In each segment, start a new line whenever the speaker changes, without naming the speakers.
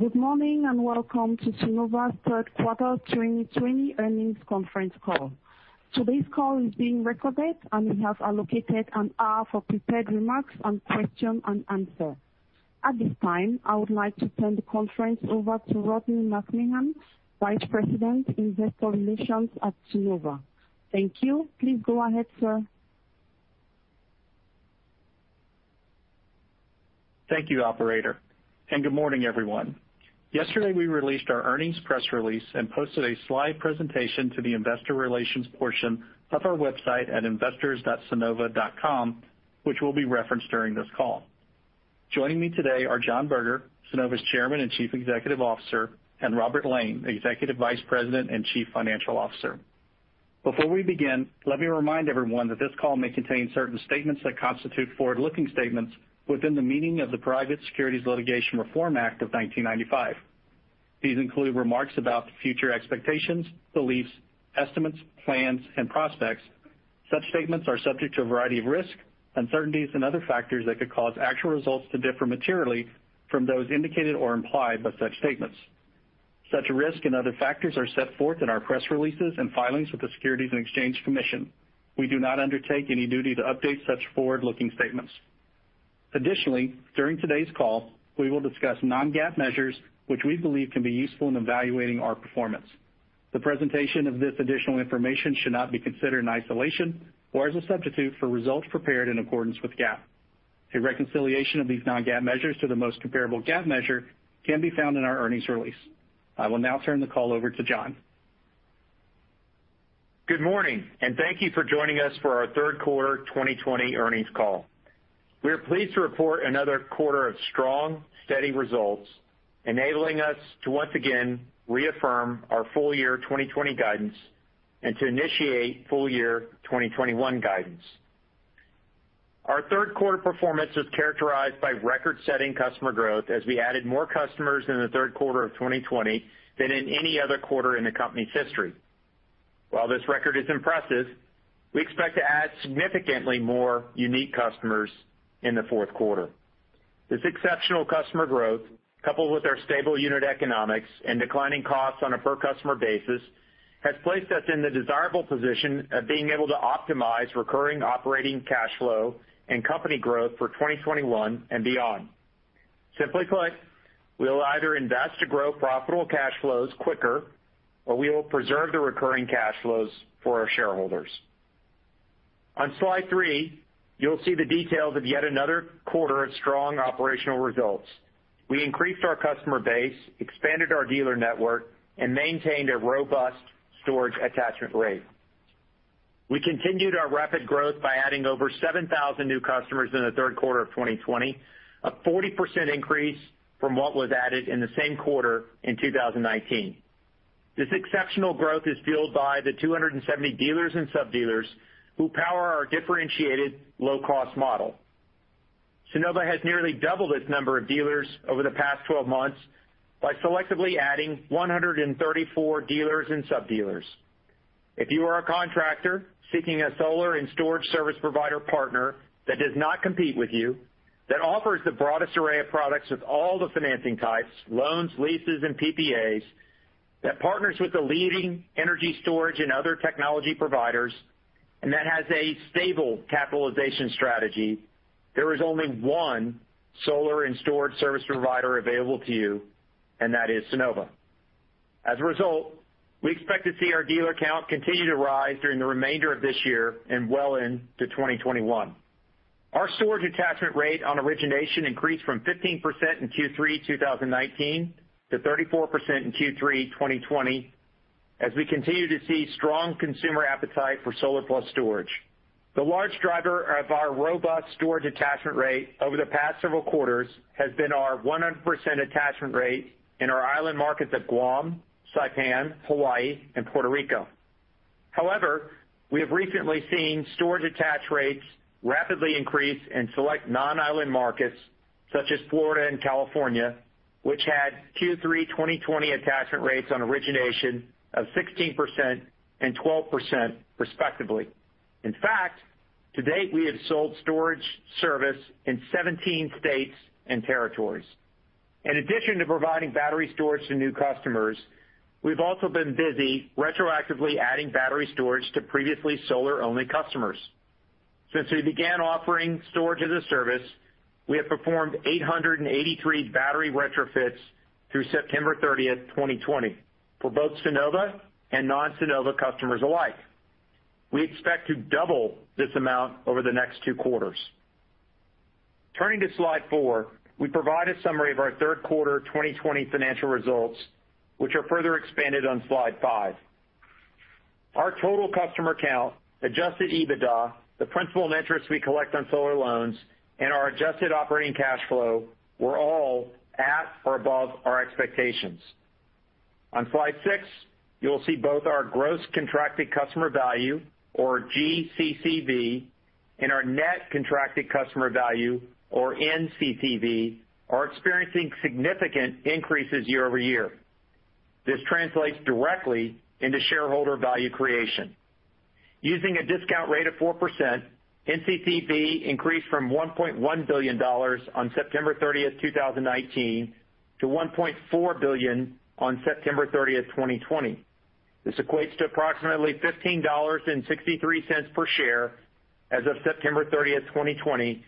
Good morning, and welcome to Sunnova's third quarter 2020 earnings conference call. Today's call is being recorded, and we have allocated an hour for prepared remarks, questions, and answers. At this time, I would like to turn the conference over to Rodney McMahan, Vice President, Investor Relations at Sunnova. Thank you. Please go ahead, sir.
Thank you, operator, and good morning, everyone. Yesterday, we released our earnings press release and posted a slide presentation to the investor relations portion of our website at investors.sunnova.com, which will be referenced during this call. Joining me today are John Berger, Sunnova's Chairman and Chief Executive Officer, and Robert Lane, Executive Vice President and Chief Financial Officer. Before we begin, let me remind everyone that this call may contain certain statements that constitute forward-looking statements within the meaning of the Private Securities Litigation Reform Act of 1995. These include remarks about future expectations, beliefs, estimates, plans, and prospects. Such statements are subject to a variety of risks, uncertainties, and other factors that could cause actual results to differ materially from those indicated or implied by such statements. Such risks and other factors are set forth in our press releases and filings with the Securities and Exchange Commission. We do not undertake any duty to update such forward-looking statements. Additionally, during today's call, we will discuss non-GAAP measures which we believe can be useful in evaluating our performance. The presentation of this additional information should not be considered in isolation or as a substitute for results prepared in accordance with GAAP. A reconciliation of these non-GAAP measures to the most comparable GAAP measure can be found in our earnings release. I will now turn the call over to John.
Good morning, and thank you for joining us for our third quarter 2020 earnings call. We are pleased to report another quarter of strong, steady results, enabling us to once again reaffirm our full-year 2020 guidance and to initiate full-year 2021 guidance. Our third-quarter performance was characterized by record-setting customer growth as we added more customers in the third quarter of 2020 than in any other quarter in the company's history. While this record is impressive, we expect to add significantly more unique customers in the fourth quarter. This exceptional customer growth, coupled with our stable unit economics and declining costs on a per customer basis, has placed us in the desirable position of being able to optimize recurring operating cash flow and company growth for 2021 and beyond. Simply put, we will either invest to grow profitable cash flows quicker or we will preserve the recurring cash flows for our shareholders. On slide three, you will see the details of yet another quarter of strong operational results. We increased our customer base, expanded our dealer network, and maintained a robust storage attachment rate. We continued our rapid growth by adding over 7,000 new customers in the third quarter of 2020, a 40% increase from what was added in the same quarter in 2019. This exceptional growth is fueled by the 270 dealers and sub-dealers who power our differentiated low-cost model. Sunnova has nearly doubled its number of dealers over the past 12 months by selectively adding 134 dealers and sub-dealers. If you are a contractor seeking a solar and storage service provider partner that does not compete with you, that offers the broadest array of products with all the financing types, loans, leases, and PPAs, that partners with the leading energy storage and other technology providers, and that has a stable capitalization strategy, there is only one solar and storage service provider available to you, and that is Sunnova. As a result, we expect to see our dealer count continue to rise during the remainder of this year and well into 2021. Our storage attachment rate on origination increased from 15% in Q3 2019 to 34% in Q3 2020 as we continue to see strong consumer appetite for solar plus storage. The large driver of our robust storage attachment rate over the past several quarters has been our 100% attachment rate in our island markets of Guam, Saipan, Hawaii, and Puerto Rico. However, we have recently seen storage attach rates rapidly increase in select non-island markets such as Florida and California, which had Q3 2020 attachment rates on origination of 16% and 12%, respectively. In fact, to date, we have sold storage service in 17 states and territories. In addition to providing battery storage to new customers, we've also been busy retroactively adding battery storage to previously solar-only customers. Since we began offering storage as a service, we have performed 883 battery retrofits through September 30, 2020, for both Sunnova and non-Sunnova customers alike. We expect to double this amount over the next two quarters. Turning to slide four, we provide a summary of our third quarter 2020 financial results, which are further expanded on slide five. Our total customer count, Adjusted EBITDA, the principal and interest we collect on solar loans, and our adjusted operating cash flow were all at or above our expectations. On slide six, you will see both our Gross Contracted Customer Value, or GCCV, and our Net Contracted Customer Value, or NCCV, are experiencing significant increases year-over-year. This translates directly into shareholder value creation. Using a discount rate of 4%, NCCV increased from $1.1 billion on September 30, 2019, to $1.4 billion on September 30, 2020. This equates to approximately $15.63 per share as of September 30th, 2020,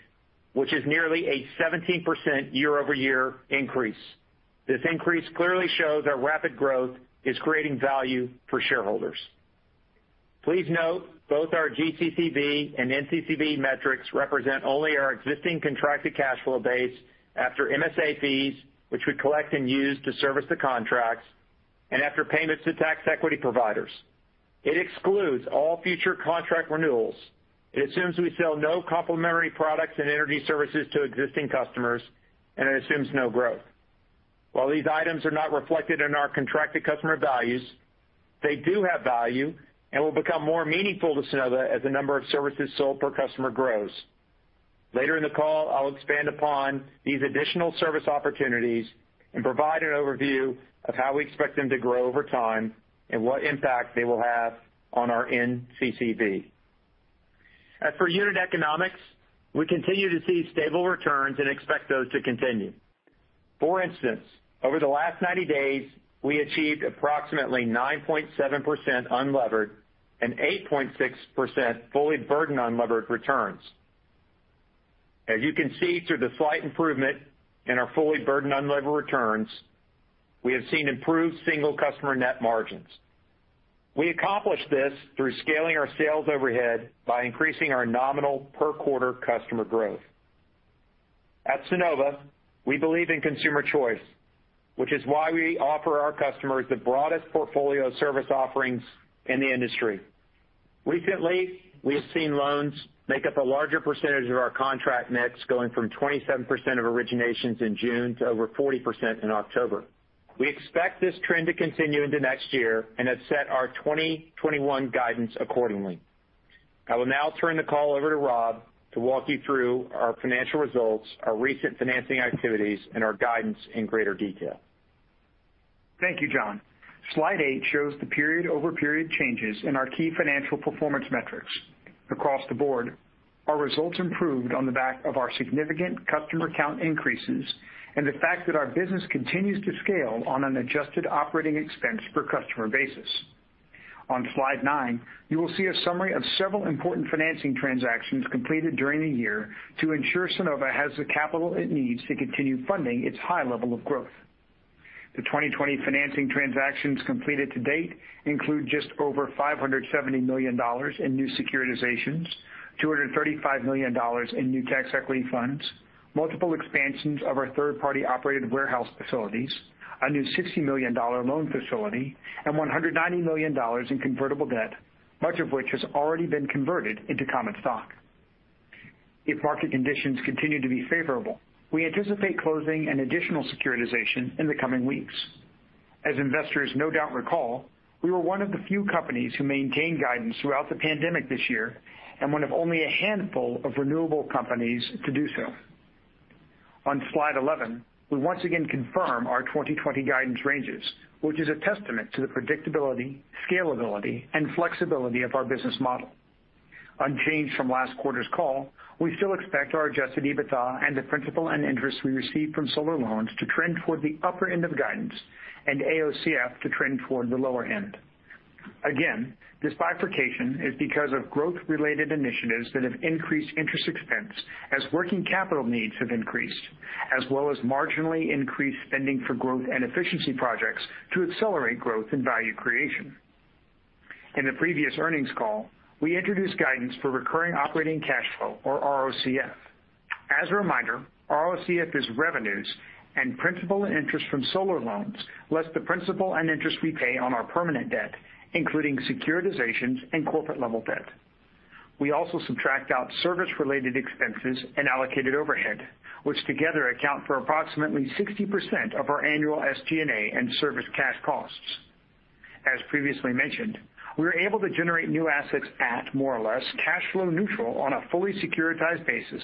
which is nearly a 17% year-over-year increase. This increase clearly shows our rapid growth is creating value for shareholders. Please note both our GCCV and NCCV metrics represent only our existing contracted cash flow base after MSA fees, which we collect and use to service the contracts, and after payments to tax equity providers. It excludes all future contract renewals. It assumes we sell no complementary products and energy services to existing customers, and it assumes no growth. While these items are not reflected in our contracted customer values, they do have value and will become more meaningful to Sunnova as the number of services sold per customer grows. Later in the call, I'll expand upon these additional service opportunities and provide an overview of how we expect them to grow over time and what impact they will have on our NCCV. As for unit economics, we continue to see stable returns and expect those to continue. For instance, over the last 90 days, we achieved approximately 9.7% unlevered and 8.6% fully burdened unlevered returns. As you can see through the slight improvement in our fully burdened unlevered returns, we have seen improved single customer net margins. We accomplished this through scaling our sales overhead by increasing our nominal per-quarter customer growth. At Sunnova, we believe in consumer choice, which is why we offer our customers the broadest portfolio of service offerings in the industry. Recently, we have seen loans make up a larger percentage of our contract mix, going from 27% of originations in June to over 40% in October. We expect this trend to continue into next year and have set our 2021 guidance accordingly. I will now turn the call over to Rob to walk you through our financial results, our recent financing activities, and our guidance in greater detail.
Thank you, John. Slide eight shows the period-over-period changes in our key financial performance metrics. Across the board, our results improved on the back of our significant customer count increases and the fact that our business continues to scale on an adjusted operating expense per customer basis. On slide nine, you will see a summary of several important financing transactions completed during the year to ensure Sunnova has the capital it needs to continue funding its high level of growth. The 2020 financing transactions completed to date include just over $570 million in new securitizations, $235 million in new tax equity funds, multiple expansions of our third-party-operated warehouse facilities, a new $60 million loan facility, and $190 million in convertible debt, much of which has already been converted into common stock. If market conditions continue to be favorable, we anticipate closing an additional securitization in the coming weeks. As investors no doubt recall, we were one of the few companies who maintained guidance throughout the pandemic this year and one of only a handful of renewable companies to do so. On slide 11, we once again confirm our 2020 guidance ranges, which is a testament to the predictability, scalability, and flexibility of our business model. Unchanged from last quarter's call, we still expect our Adjusted EBITDA and the principal and interest we receive from solar loans to trend toward the upper end of guidance, and AOCF to trend toward the lower end. Again, this bifurcation is because of growth-related initiatives that have increased interest expense as working capital needs have increased, as well as marginally increased spending for growth and efficiency projects to accelerate growth and value creation. In the previous earnings call, we introduced guidance for Recurring Operating Cash Flow, or ROCF. As a reminder, ROCF is revenues and principal and interest from solar loans, less the principal and interest we pay on our permanent debt, including securitizations and corporate-level debt. We also subtract out service-related expenses and allocated overhead, which together account for approximately 60% of our annual SG&A and service cash costs. As previously mentioned, we are able to generate new assets at more or less cash flow neutral on a fully securitized basis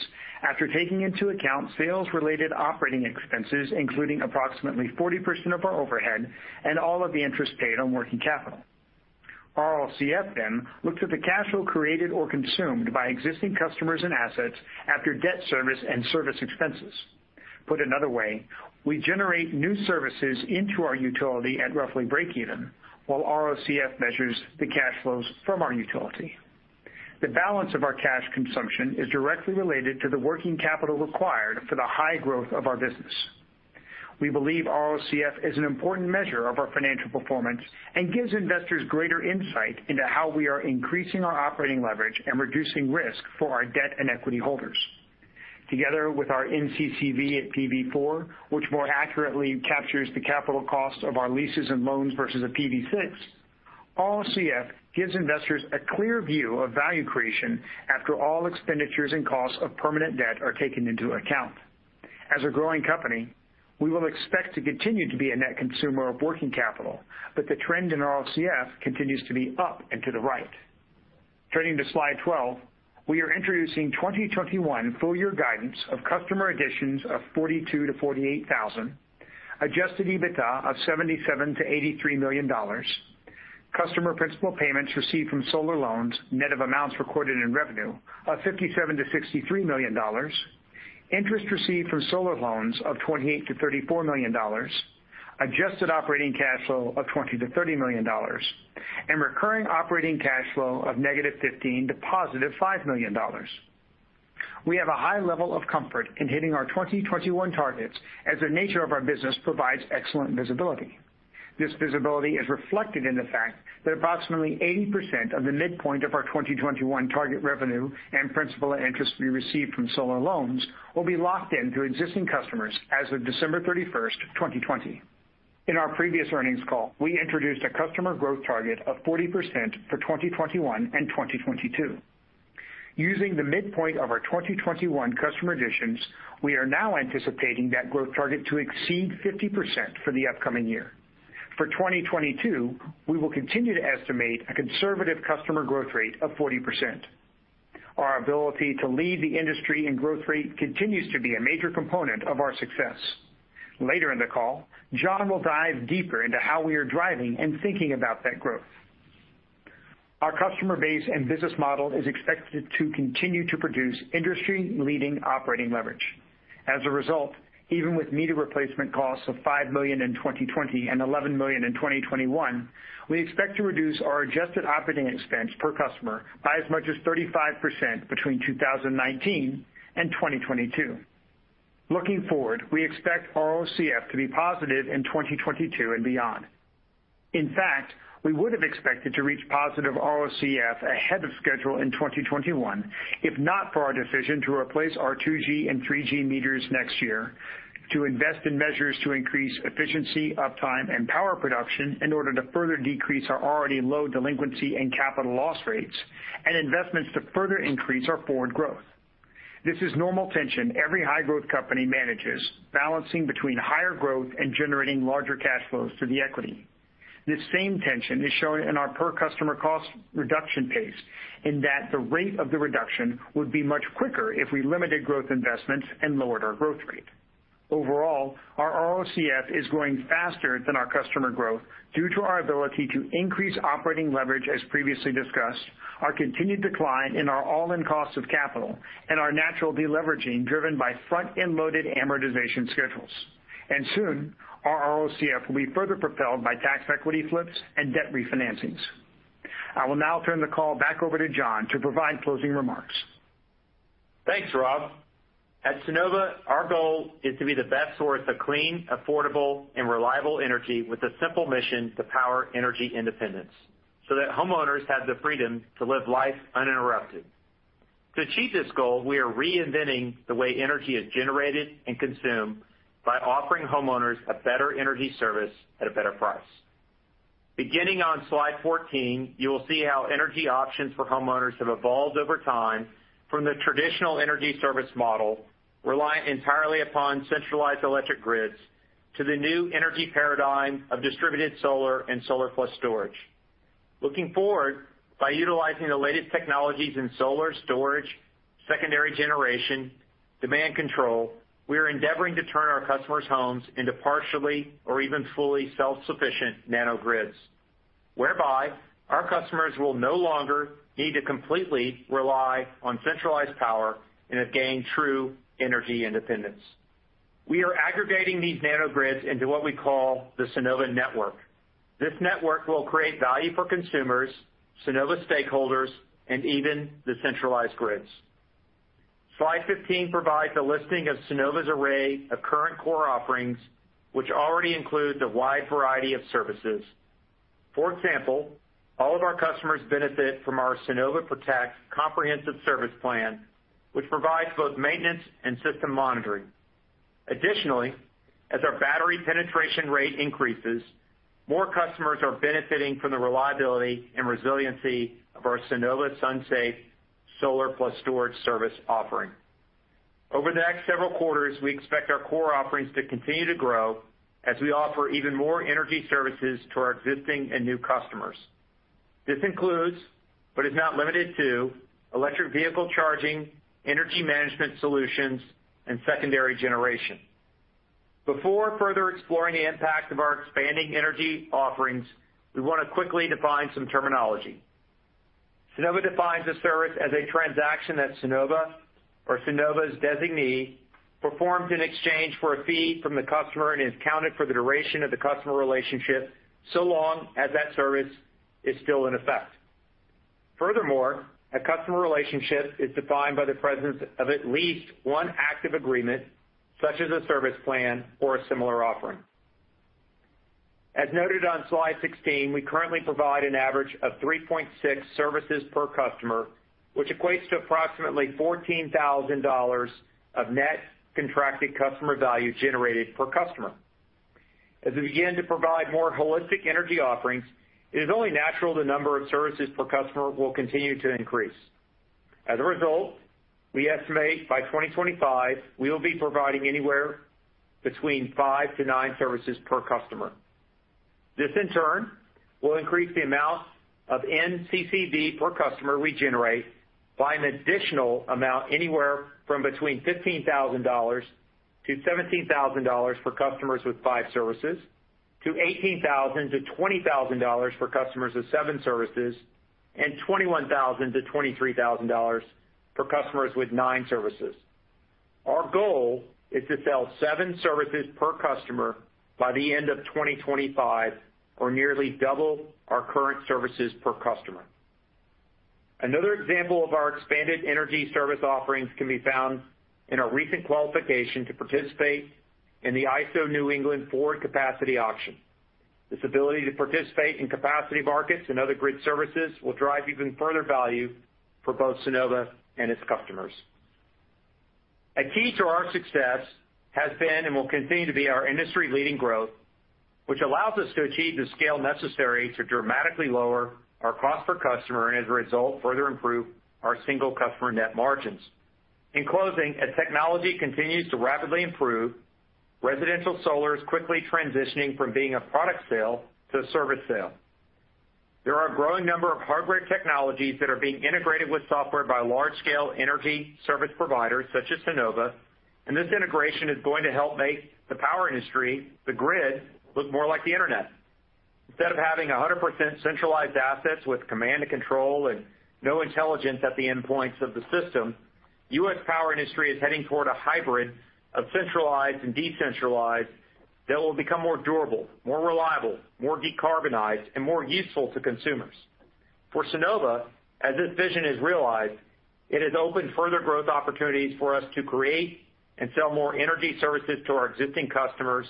after taking into account sales-related operating expenses, including approximately 40% of our overhead and all of the interest paid on working capital. ROCF looks at the cash flow created or consumed by existing customers and assets after debt service and service expenses. Put another way, we generate new services into our utility at roughly break-even, while ROCF measures the cash flows from our utility. The balance of our cash consumption is directly related to the working capital required for the high growth of our business. We believe ROCF is an important measure of our financial performance and gives investors greater insight into how we are increasing our operating leverage and reducing risk for our debt and equity holders. Together with our NCCV at PV 4, which more accurately captures the capital cost of our leases and loans versus a PV 6, ROCF gives investors a clear view of value creation after all expenditures and costs of permanent debt are taken into account. As a growing company, we will expect to continue to be a net consumer of working capital, but the trend in ROCF continues to be up and to the right. Turning to slide 12, we are introducing 2021 full-year guidance of customer additions of 42,000-48,000. Adjusted EBITDA of $77 million-$83 million. Customer principal payments received from solar loans, net of amounts recorded in revenue of $57 million-$63 million. Interest received from solar loans of $28 million-$34 million. Adjusted operating cash flow of $20 million-$30 million. Recurring operating cash flow of -$15 million to $5 million. We have a high level of comfort in hitting our 2021 targets, as the nature of our business provides excellent visibility. This visibility is reflected in the fact that approximately 80% of the midpoint of our 2021 target revenue and principal and interest we received from solar loans will be locked in through existing customers as of December 31, 2020. In our previous earnings call, we introduced a customer growth target of 40% for 2021 and 2022. Using the midpoint of our 2021 customer additions, we are now anticipating that growth target to exceed 50% for the upcoming year. For 2022, we will continue to estimate a conservative customer growth rate of 40%. Our ability to lead the industry in growth rate continues to be a major component of our success. Later in the call, John will dive deeper into how we are driving and thinking about that growth. Our customer base and business model is expected to continue to produce industry-leading operating leverage. As a result, even with meter replacement costs of $5 million in 2020 and $11 million in 2021, we expect to reduce our adjusted operating expense per customer by as much as 35% between 2019 and 2022. Looking forward, we expect ROCF to be positive in 2022 and beyond. In fact, we would have expected to reach positive ROCF ahead of schedule in 2021, if not for our decision to replace our 2G and 3G meters next year to invest in measures to increase efficiency, uptime, and power production in order to further decrease our already low delinquency and capital loss rates and investments to further increase our forward growth. This is normal tension every high-growth company manages, balancing between higher growth and generating larger cash flows to the equity. This same tension is shown in our per customer cost reduction pace in that the rate of the reduction would be much quicker if we limited growth investments and lowered our growth rate. Overall, our ROCF is growing faster than our customer growth due to our ability to increase operating leverage as previously discussed, our continued decline in our all-in cost of capital, and our natural de-leveraging driven by front-end loaded amortization schedules. Soon, our ROCF will be further propelled by tax equity flips and debt refinancings. I will now turn the call back over to John to provide closing remarks.
Thanks, Rob. At Sunnova, our goal is to be the best source of clean, affordable, and reliable energy with a simple mission to power energy independence so that homeowners have the freedom to live life uninterrupted. To achieve this goal, we are reinventing the way energy is generated and consumed by offering homeowners a better energy service at a better price. Beginning on slide 14, you will see how energy options for homeowners have evolved over time from the traditional energy service model, reliant entirely upon centralized electric grids, to the new energy paradigm of distributed solar and solar plus storage. Looking forward, by utilizing the latest technologies in solar storage, secondary generation, demand control, we are endeavoring to turn our customers' homes into partially or even fully self-sufficient nano grids, whereby our customers will no longer need to completely rely on centralized power and have gained true energy independence. We are aggregating these nano grids into what we call the Sunnova Network. This network will create value for consumers, Sunnova stakeholders, and even the centralized grids. Slide 15 provides a listing of Sunnova's array of current core offerings, which already includes a wide variety of services. For example, all of our customers benefit from our Sunnova Protect comprehensive service plan, which provides both maintenance and system monitoring. Additionally, as our battery penetration rate increases, more customers are benefiting from the reliability and resiliency of our Sunnova SunSafe solar plus storage service offering. Over the next several quarters, we expect our core offerings to continue to grow as we offer even more energy services to our existing and new customers. This includes, but is not limited to, electric vehicle charging, energy management solutions, and secondary generation. Before further exploring the impact of our expanding energy offerings, we want to quickly define some terminology. Sunnova defines a service as a transaction that Sunnova or Sunnova's designee performs in exchange for a fee from the customer and is counted for the duration of the customer relationship, so long as that service is still in effect. Furthermore, a customer relationship is defined by the presence of at least one active agreement, such as a service plan or a similar offering. As noted on slide 16, we currently provide an average of 3.6 services per customer, which equates to approximately $14,000 of Net Contracted Customer Value generated per customer. As we begin to provide more holistic energy offerings, it is only natural the number of services per customer will continue to increase. As a result, we estimate by 2025, we will be providing anywhere between five and nine services per customer. This, in turn, will increase the amount of NCCV per customer we generate by an additional amount anywhere from between $15,000-$17,000 for customers with five services, to $18,000-$20,000 for customers with seven services, and $21,000-$23,000 for customers with nine services. Our goal is to sell seven services per customer by the end of 2025, or nearly double our current services per customer. Another example of our expanded energy service offerings can be found in our recent qualification to participate in the ISO New England Forward Capacity Auction. This ability to participate in capacity markets and other grid services will drive even further value for both Sunnova and its customers. A key to our success has been and will continue to be our industry-leading growth, which allows us to achieve the scale necessary to dramatically lower our cost per customer and as a result, further improve our single customer net margins. In closing, as technology continues to rapidly improve, residential solar is quickly transitioning from being a product sale to a service sale. There are a growing number of hardware technologies that are being integrated with software by large-scale energy service providers such as Sunnova, and this integration is going to help make the power industry, the grid, look more like the internet. Instead of having 100% centralized assets with command and control and no intelligence at the endpoints of the system, the U.S. power industry is heading toward a hybrid of centralized and decentralized that will become more durable, more reliable, more decarbonized, and more useful to consumers. For Sunnova, as this vision is realized, it has opened further growth opportunities for us to create and sell more energy services to our existing customers,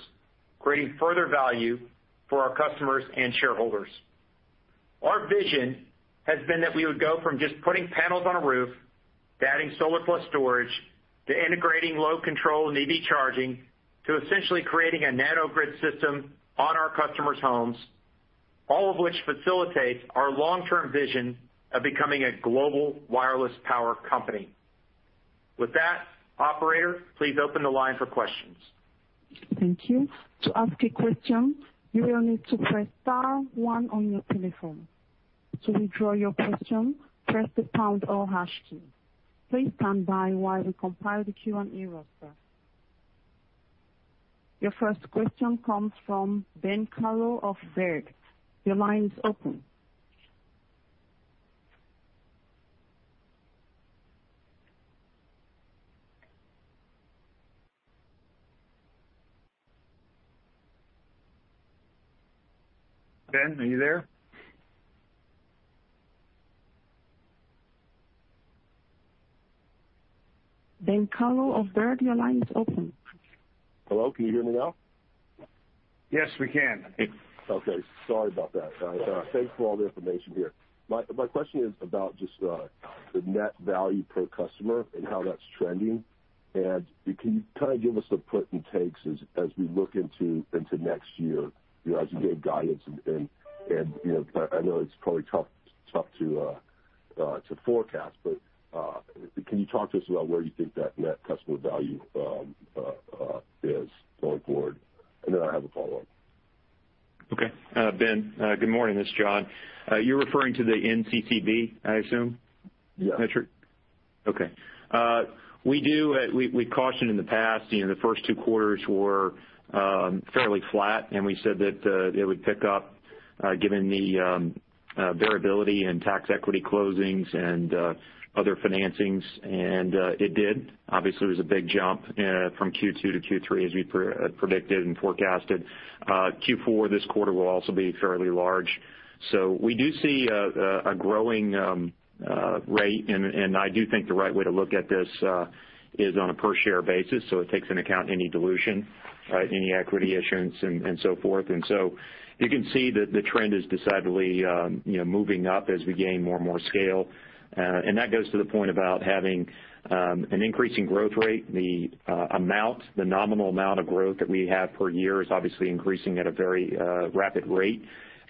creating further value for our customers and shareholders. Our vision has been that we would go from just putting panels on a roof to adding solar plus storage, to integrating load control and EV charging, to essentially creating a nano grid system on our customers' homes, all of which facilitates our long-term vision of becoming a global wireless power company. With that, operator, please open the line for questions.
Thank you. To ask a question, you only to press star one on your telephone. To withdraw your question press the pound or hash key. Please stand by while we compile the Q&A roster. Your first question comes from Ben Kallo of Baird. Your line is open.
Ben, are you there?
Ben Kallo of Baird, your line is open.
Hello, can you hear me now?
Yes, we can.
Okay. Sorry about that. Thanks for all the information here. My question is about just the net value per customer and how that's trending. Can you kind of give us the puts and takes as we look into next year, as you gave guidance, and I know it's probably tough to forecast, but can you talk to us about where you think that net customer value is going forward? I have a follow-up.
Okay. Ben, good morning. This is John. You're referring to the NCCV, I assume?
Yeah.
Metric? Okay. We cautioned in the past, the first two quarters were fairly flat, and we said that it would pick up given the variability in tax equity closings and other financings, and it did. Obviously, there was a big jump from Q2 to Q3, as we predicted and forecasted. Q4 this quarter will also be fairly large. We do see a growing rate, and I do think the right way to look at this is on a per-share basis, so it takes into account any dilution, any equity issuance, and so forth. You can see that the trend is decidedly moving up as we gain more and more scale. That goes to the point about having an increasing growth rate. The nominal amount of growth that we have per year is obviously increasing at a very rapid rate.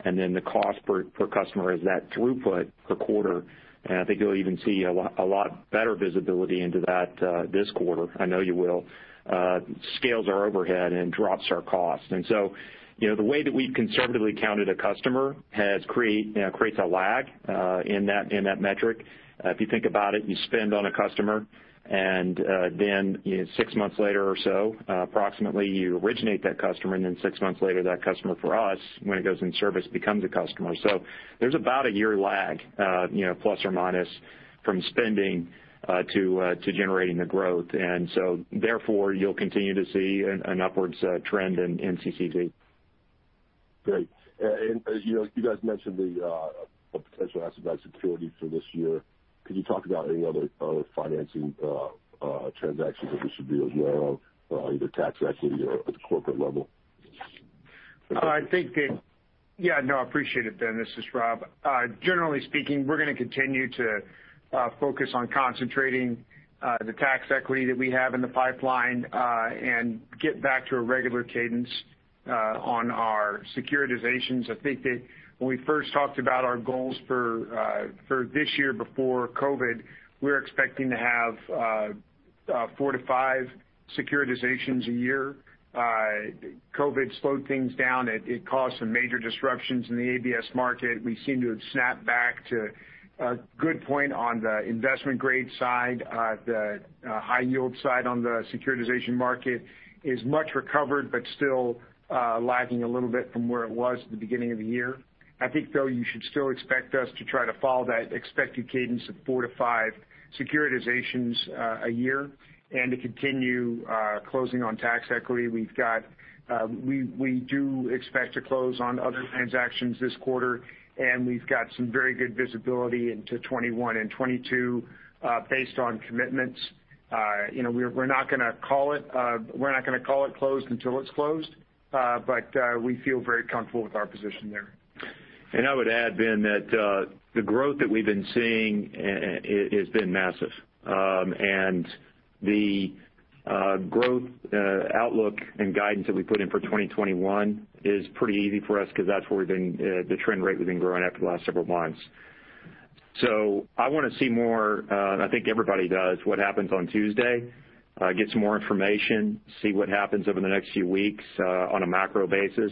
The cost per customer is the throughput per quarter, and I think you'll even see a lot better visibility into that this quarter. I know you will. Scales our overhead and drops our cost. The way that we've conservatively counted a customer creates a lag in that metric. If you think about it, you spend on a customer, and then six months later or so, approximately, you originate that customer, and then six months later, that customer for us, when it goes in service, becomes a customer. There's about a year lag, plus or minus, from spending to generating the growth. Therefore, you'll continue to see an upward trend in NCCV.
Great. As you guys mentioned, the potential asset-backed security for this year, could you talk about any other financing transactions that we should be aware of, either tax equity or at the corporate level?
Yeah. No, I appreciate it, Ben. This is Rob. Generally speaking, we're going to continue to focus on concentrating the tax equity that we have in the pipeline and get back to a regular cadence on our securitizations. I think that when we first talked about our goals for this year before COVID, we were expecting to have Four to five securitizations a year. COVID slowed things down. It caused some major disruptions in the ABS market. We seem to have snapped back to a good point on the investment-grade side. The high-yield side on the securitization market is much recovered, but still lagging a little bit from where it was at the beginning of the year. I think, though, you should still expect us to try to follow that expected cadence of four to five securitizations a year. To continue closing on tax equity. We do expect to close on other transactions this quarter, and we've got some very good visibility into 2021 and 2022, based on commitments. We're not going to call it closed until it's closed. We feel very comfortable with our position there.
I would add, Ben, that the growth that we've been seeing has been massive. The growth outlook and guidance that we put in for 2021 is pretty easy for us because that's the trend rate we've been growing at for the last several months. I want to see more, and I think everybody does, what happens on Tuesday. Get some more information, see what happens over the next few weeks on a macro basis.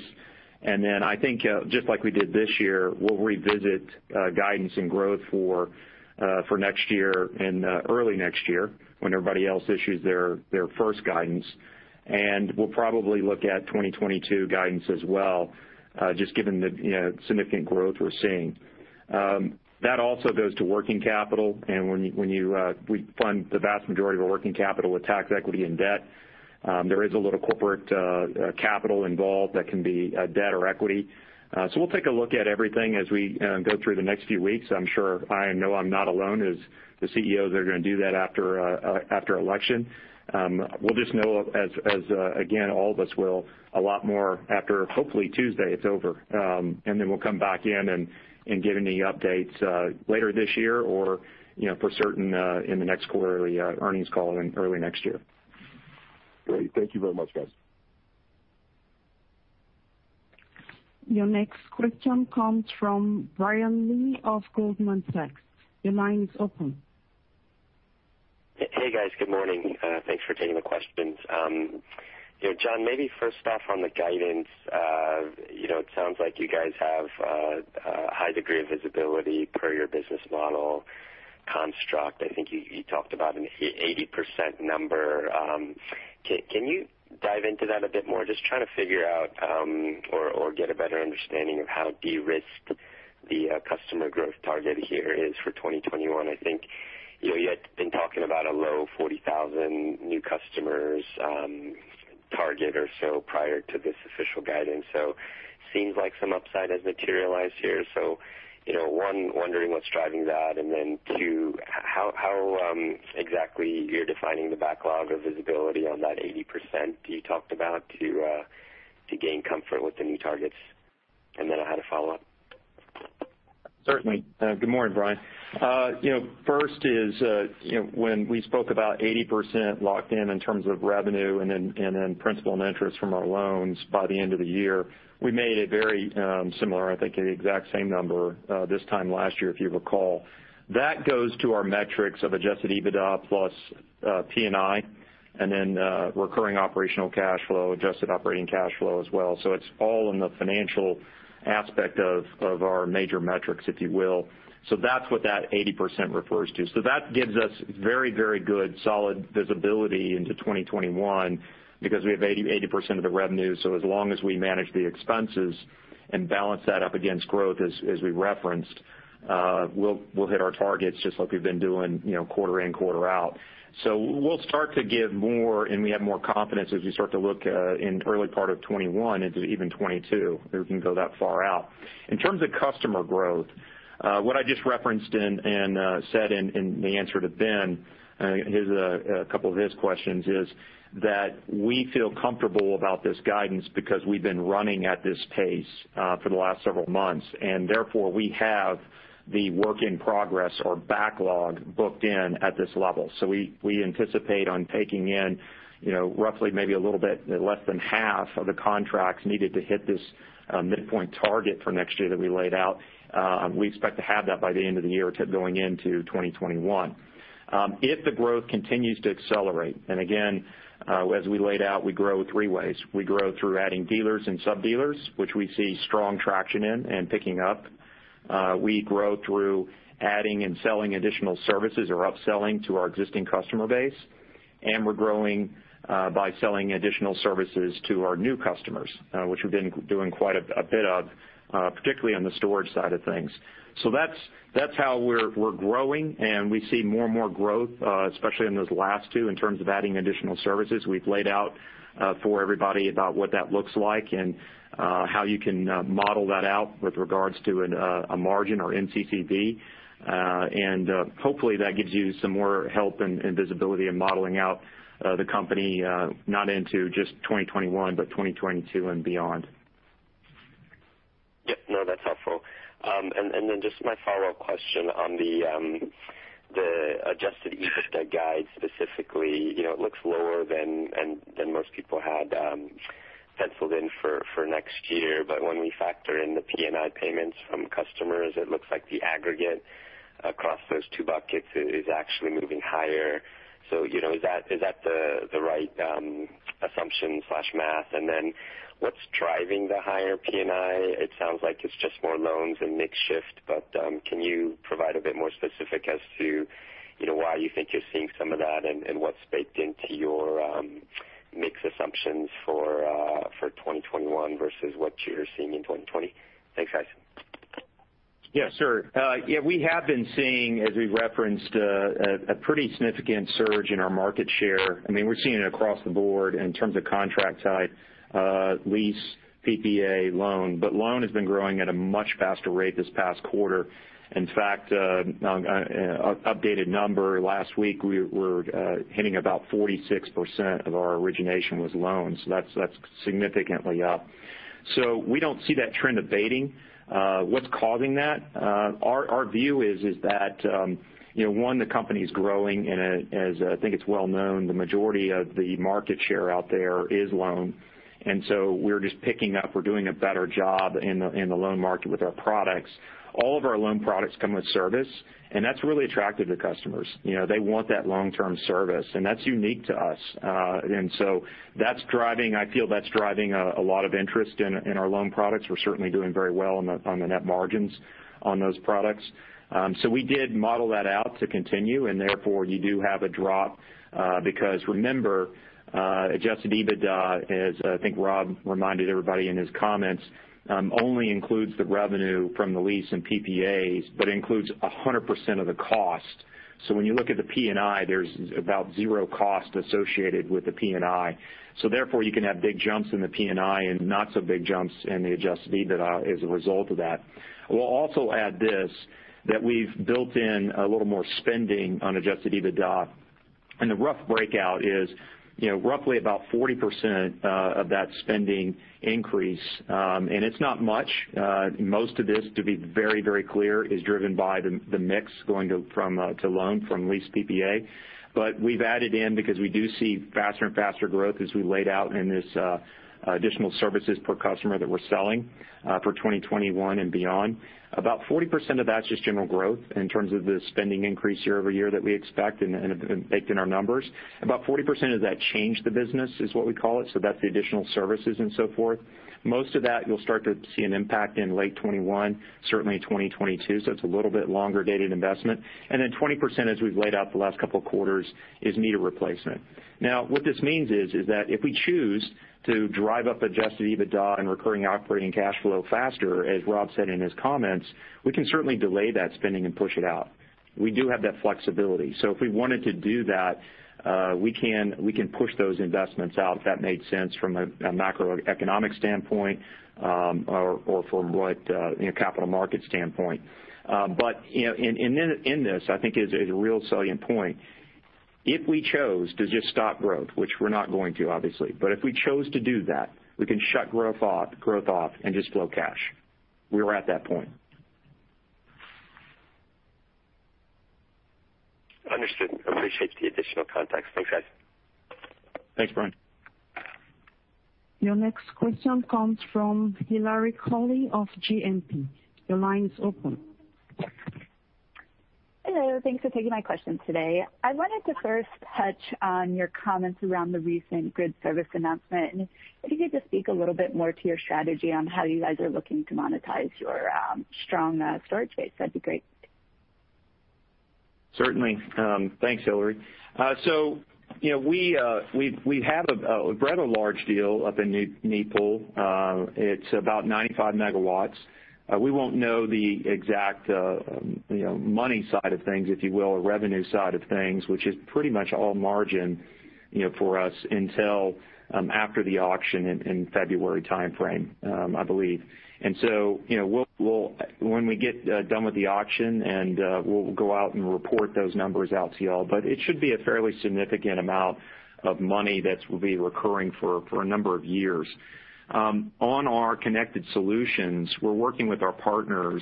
I think, just like we did this year, we'll revisit guidance and growth for next year and early next year when everybody else issues their first guidance. We'll probably look at 2022 guidance as well, just given the significant growth we're seeing. That also goes to working capital, and we fund the vast majority of our working capital with tax equity and debt. There is a little corporate capital involved that can be debt or equity. We'll take a look at everything as we go through the next few weeks. I'm sure I know I'm not alone as the CEOs are going to do that after election. We'll just know, as again, all of us will, a lot more after, hopefully, Tuesday, it's over. We'll come back in and give any updates later this year or for certain in the next quarterly earnings call early next year.
Great. Thank you very much, guys.
Your next question comes from Brian Lee of Goldman Sachs. Your line is open.
Hey, guys. Good morning. Thanks for taking the questions. John, maybe first off on the guidance. It sounds like you guys have a high degree of visibility per your business model construct. I think you talked about an 80% number. Can you dive into that a bit more? Just trying to figure out or get a better understanding of how de-risked the customer growth target here is for 2021. I think you had been talking about a low 40,000 new customers target or so prior to this official guidance. Seems like some upside has materialized here. One, wondering what's driving that. Two, how exactly you're defining the backlog or visibility on that 80% you talked about to gain comfort with the new targets? I had a follow-up.
Certainly. Good morning, Brian. When we spoke about 80% locked in terms of revenue and then principal and interest from our loans by the end of the year. We made it very similar, I think the exact same number this time last year, if you recall. That goes to our metrics of Adjusted EBITDA plus P&I, and then recurring operational cash flow, adjusted operating cash flow as well. It's all in the financial aspect of our major metrics, if you will. That's what that 80% refers to. That gives us very good, solid visibility into 2021 because we have 80% of the revenue. As long as we manage the expenses and balance that up against growth, as we referenced, we'll hit our targets just like we've been doing quarter in, quarter out. We'll start to give more, and we have more confidence as we start to look in early part of 2021 into even 2022, if we can go that far out. In terms of customer growth, what I just referenced and said in the answer to Ben, a couple of his questions, is that we feel comfortable about this guidance because we've been running at this pace for the last several months. Therefore, we have the work in progress or backlog booked in at this level. We anticipate on taking in roughly maybe a little bit less than half of the contracts needed to hit this midpoint target for next year that we laid out. We expect to have that by the end of the year going into 2021. If the growth continues to accelerate, and again, as we laid out, we grow three ways. We grow through adding dealers and sub-dealers, which we see strong traction in and picking up. We grow through adding and selling additional services or upselling to our existing customer base. We're growing by selling additional services to our new customers, which we've been doing quite a bit of, particularly on the storage side of things. That's how we're growing, and we see more and more growth, especially in those last two, in terms of adding additional services. We've laid out for everybody about what that looks like and how you can model that out with regards to a margin or NCCV. Hopefully, that gives you some more help and visibility in modeling out the company not into just 2021, but 2022 and beyond.
Yep. No, that's helpful. Just my follow-upbquestion on the Adjusted EBITDA guide specifically. It looks lower than most people had penciled in for next year. When we factor in the P&I payments from customers, it looks like the aggregate across those two buckets is actually moving higher. Is that the right assumption/math? What's driving the higher P&I? It sounds like it's just more loans and mix shift, but can you provide a bit more specific as to why you think you're seeing some of that, and what's baked into your mix assumptions for 2021 versus what you're seeing in 2020? Thanks, guys.
Yes, sir. Yeah, we have been seeing, as we've referenced, a pretty significant surge in our market share. We're seeing it across the board in terms of contract type, lease, PPA, and loan. Loan has been growing at a much faster rate this past quarter. In fact, the updated number last week, we're hitting about 46% of our origination was loans. That's significantly up. We don't see that trend abating. What's causing that? Our view is that, one, the company's growing, and as I think it's well known, the majority of the market share out there is loan. We're just picking up. We're doing a better job in the loan market with our products. All of our loan products come with service, and that's really attractive to customers. They want that long-term service, and that's unique to us. I feel that's driving a lot of interest in our loan products. We're certainly doing very well on the net margins on those products. We did model that out to continue, and therefore, you do have a drop. Because remember, Adjusted EBITDA, as I think Rob reminded everybody in his comments, only includes the revenue from the lease and PPAs, but includes 100% of the cost. When you look at the P&I, there's about zero cost associated with the P&I. Therefore, you can have big jumps in the P&I and not so big jumps in the Adjusted EBITDA as a result of that. I will also add this, that we've built in a little more spending on Adjusted EBITDA, and the rough breakout is roughly about 40% of that spending increase. It's not much. Most of this, to be very clear, is driven by the mix going to the loan from the lease PPA. We've added in because we do see faster and faster growth as we laid out in these additional services per customer that we're selling for 2021 and beyond. About 40% of that's just general growth in terms of the spending increase year-over-year that we expect and have baked in our numbers. About 40% of that change the business, is what we call it, so that's the additional services and so forth. Most of that you'll start to see an impact in late 2021, certainly 2022, so it's a little bit longer-dated investment. Then 20%, as we've laid out the last couple of quarters, is meter replacement. What this means is that if we choose to drive up Adjusted EBITDA and recurring operating cash flow faster, as Rob said in his comments, we can certainly delay that spending and push it out. We do have that flexibility. If we wanted to do that, we can push those investments out if that made sense from a macroeconomic standpoint or from a capital market standpoint. In this, I think, is a real salient point. If we chose to just stop growth, which we're not going to, obviously, but if we chose to do that, we can shut growth off and just flow cash. We are at that point.
Understood. Appreciate the additional context. Thanks, guys.
Thanks, Brian.
Your next question comes from Hilary Cauley of JMP. Your line is open.
Hello. Thanks for taking my questions today. I wanted to first touch on your comments around the recent grid service announcement. If you could just speak a little bit more to your strategy on how you guys are looking to monetize your strong storage base, that'd be great.
Certainly. Thanks, Hilary. We have a rather large deal up in New England. It's about 95 MW. We won't know the exact money side of things, if you will, or revenue side of things, which is pretty much all margin for us, until after the auction in February timeframe, I believe. When we get done with the auction and we'll go out and report those numbers out to you all. It should be a fairly significant amount of money that will be recurring for a number of years. On our connected solutions, we're working with our partners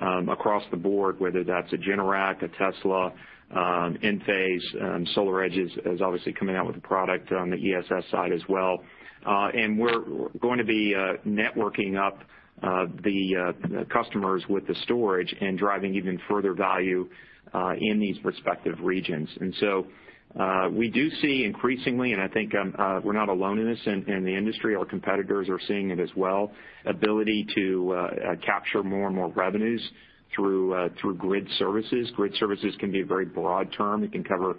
across the board, whether that's a Generac, a Tesla, Enphase. SolarEdge is obviously coming out with a product on the ESS side as well. We're going to be networking up the customers with the storage and driving even further value in these respective regions. We do see increasingly, and I think we're not alone in this in the industry, our competitors are seeing it as well, ability to capture more and more revenues through grid services. Grid services can be a very broad term. It can cover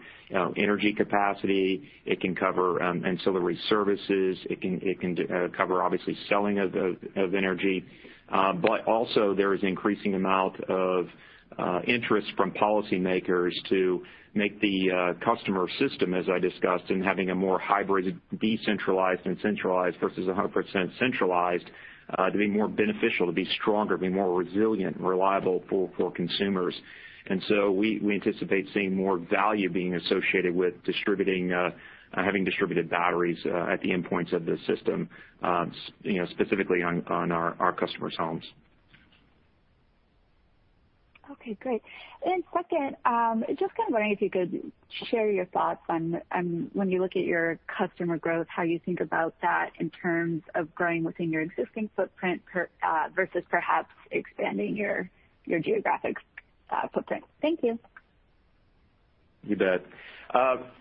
energy capacity, it can cover ancillary services. It can cover, obviously, selling of energy. Also, there is an increasing amount of interest from policymakers to make the customer system, as I discussed, in having a more hybrid, decentralized, and centralized versus 100% centralized to be more beneficial, to be stronger, to be more resilient and reliable for consumers. We anticipate seeing more value being associated with having distributed batteries at the endpoints of the system, specifically on our customers' homes.
Okay, great. Second, just kind of wondering if you could share your thoughts on when you look at your customer growth, how you think about that in terms of growing within your existing footprint versus perhaps expanding your geographic footprint. Thank you.
You bet.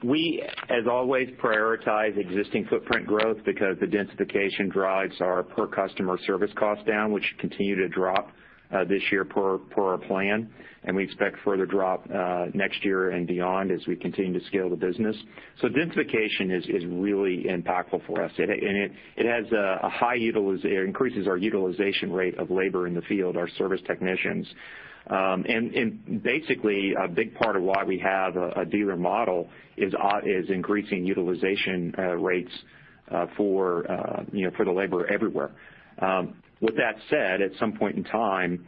We, as always, prioritize existing footprint growth because the densification drives our per customer service cost down, which continue to drop this year per our plan. We expect a further drop next year and beyond as we continue to scale the business. Densification is really impactful for us. It increases our utilization rate of labor in the field, our service technicians. Basically, a big part of why we have a dealer model is increasing utilization rates for the labor everywhere. With that said, at some point in time,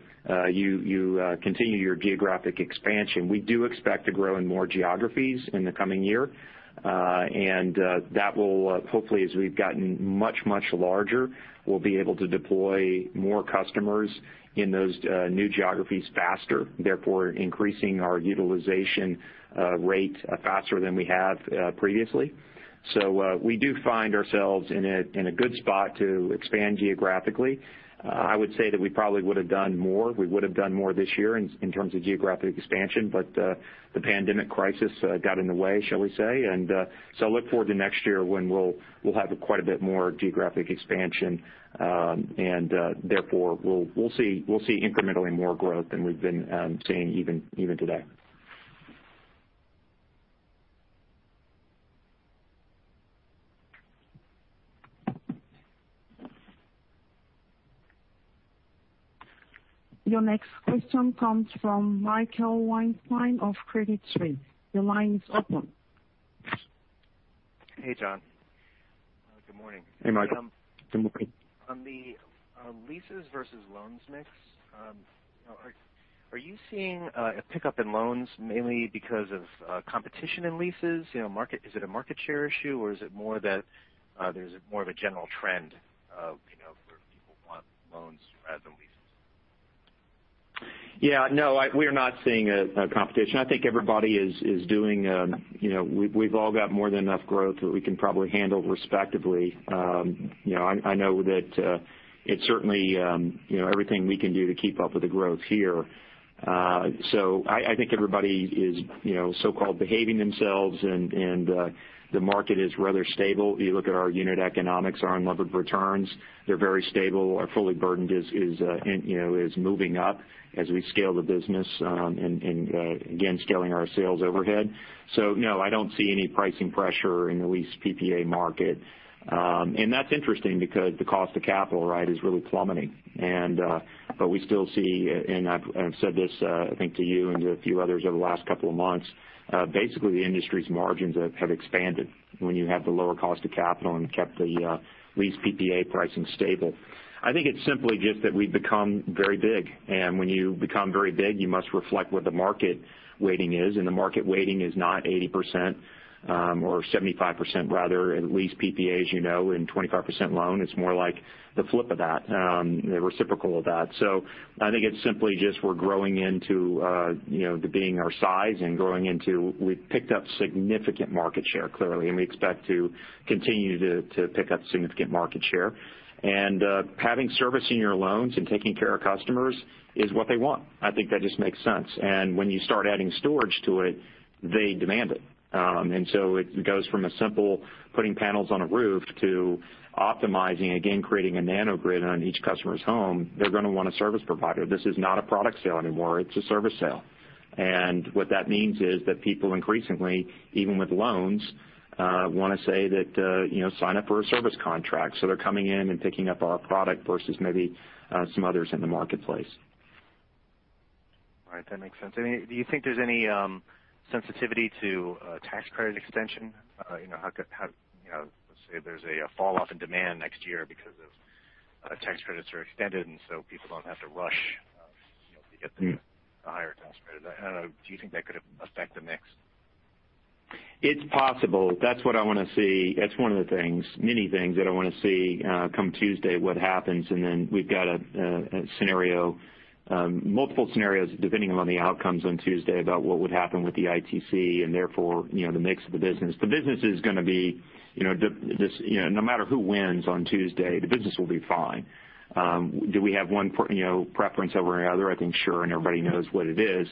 you continue your geographic expansion. We do expect to grow in more geographies in the coming year. That will hopefully, as we've gotten much, much larger, we'll be able to deploy more customers in those new geographies faster, therefore increasing our utilization rate faster than we have previously. We do find ourselves in a good spot to expand geographically. I would say that we probably would have done more this year in terms of geographic expansion, but the pandemic crisis got in the way, shall we say. I look forward to next year when we'll have quite a bit more geographic expansion. Therefore, we'll see incrementally more growth than we've been seeing even today.
Your next question comes from Michael Weinstein of Credit Suisse. Your line is open.
Hey, John.
Good morning. Hey, Michael.
On the leases versus loans mix, are you seeing a pickup in loans mainly because of competition in leases? Is it a market share issue, or is it more that there's more of a general trend of where people want loans rather than leases?
Yeah. No, we are not seeing a competition. I think everybody is doing, we've all got more than enough growth that we can probably handle respectively. I know that it's certainly everything we can do to keep up with the growth here. I think everybody is so-called behaving themselves, and the market is rather stable. You look at our unit economics, our unlevered returns, they're very stable. Our full burden is moving up as we scale the business, and again, scaling our sales overhead. No, I don't see any pricing pressure in the lease PPA market. That's interesting because the cost of capital is really plummeting. We still see, and I've said this, I think to you and to a few others over the last couple of months, basically the industry's margins have expanded when you have the lower cost of capital and kept the lease PPA pricing stable. I think it's simply just that we've become very big, and when you become very big, you must reflect what the market weighting is, and the market weighting is not 80%, or 75%, rather, in lease PPAs in 25% loan. It's more like the flip of that, the reciprocal of that. I think it's simply just we're growing into it being our size and growing into, we've picked up significant market share, clearly, and we expect to continue to pick up significant market share. Having service in your loans and taking care of customers is what they want. I think that just makes sense. When you start adding storage to it, they demand it. It goes from a simple putting panels on a roof to optimizing, again, creating a nano grid on each customer's home. They're going to want a service provider. This is not a product sale anymore, it's a service sale. What that means is that people increasingly, even with loans, want to say that sign up for a service contract. They're coming in and picking up our product versus maybe some others in the marketplace.
All right. That makes sense. Do you think there's any sensitivity to a tax credit extension? Let's say there's a fall off in demand next year because of tax credits are extended, and so people don't have to rush to get the higher tax credit. Do you think that could affect the mix?
It's possible. That's what I want to see. That's one of the things, many things that I want to see come Tuesday, what happens. Then we've got multiple scenarios depending upon the outcomes on Tuesday about what would happen with the ITC and therefore, the mix of the business. The business is going to be, no matter who wins on Tuesday, the business will be fine. Do we have one preference over another? I think, sure, everybody knows what it is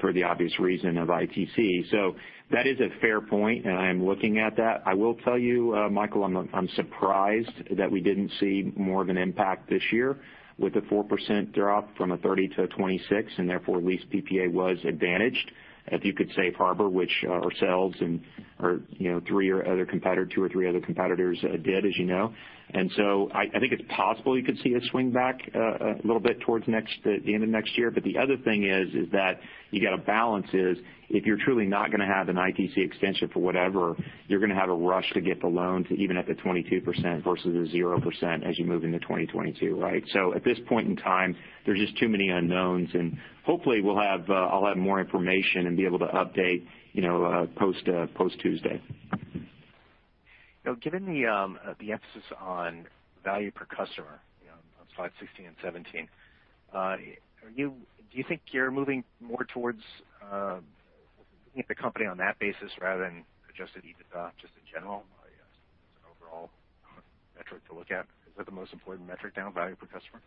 for the obvious reason of ITC. That is a fair point. I am looking at that. I will tell you, Michael, I'm surprised that we didn't see more of an impact this year with the 4% drop from a 30 to a 26, and therefore lease PPA was advantaged if you could safe harbor, which ourselves and two or three other competitors did, as you know. I think it's possible you could see a swing back a little bit towards the end of next year. The other thing is that you got to balance is, if you're truly not going to have an ITC extension for whatever, you're going to have a rush to get the loans even at the 22% versus the 0% as you move into 2022, right? At this point in time, there are just too many unknowns, and hopefully I'll have more information and be able to update the post by Tuesday.
Given the emphasis on value per customer on slides 16 and 17, do you think you're moving more towards looking at the company on that basis, rather than Adjusted EBITDA just in general as an overall metric to look at? Is that the most important metric now, value per customer?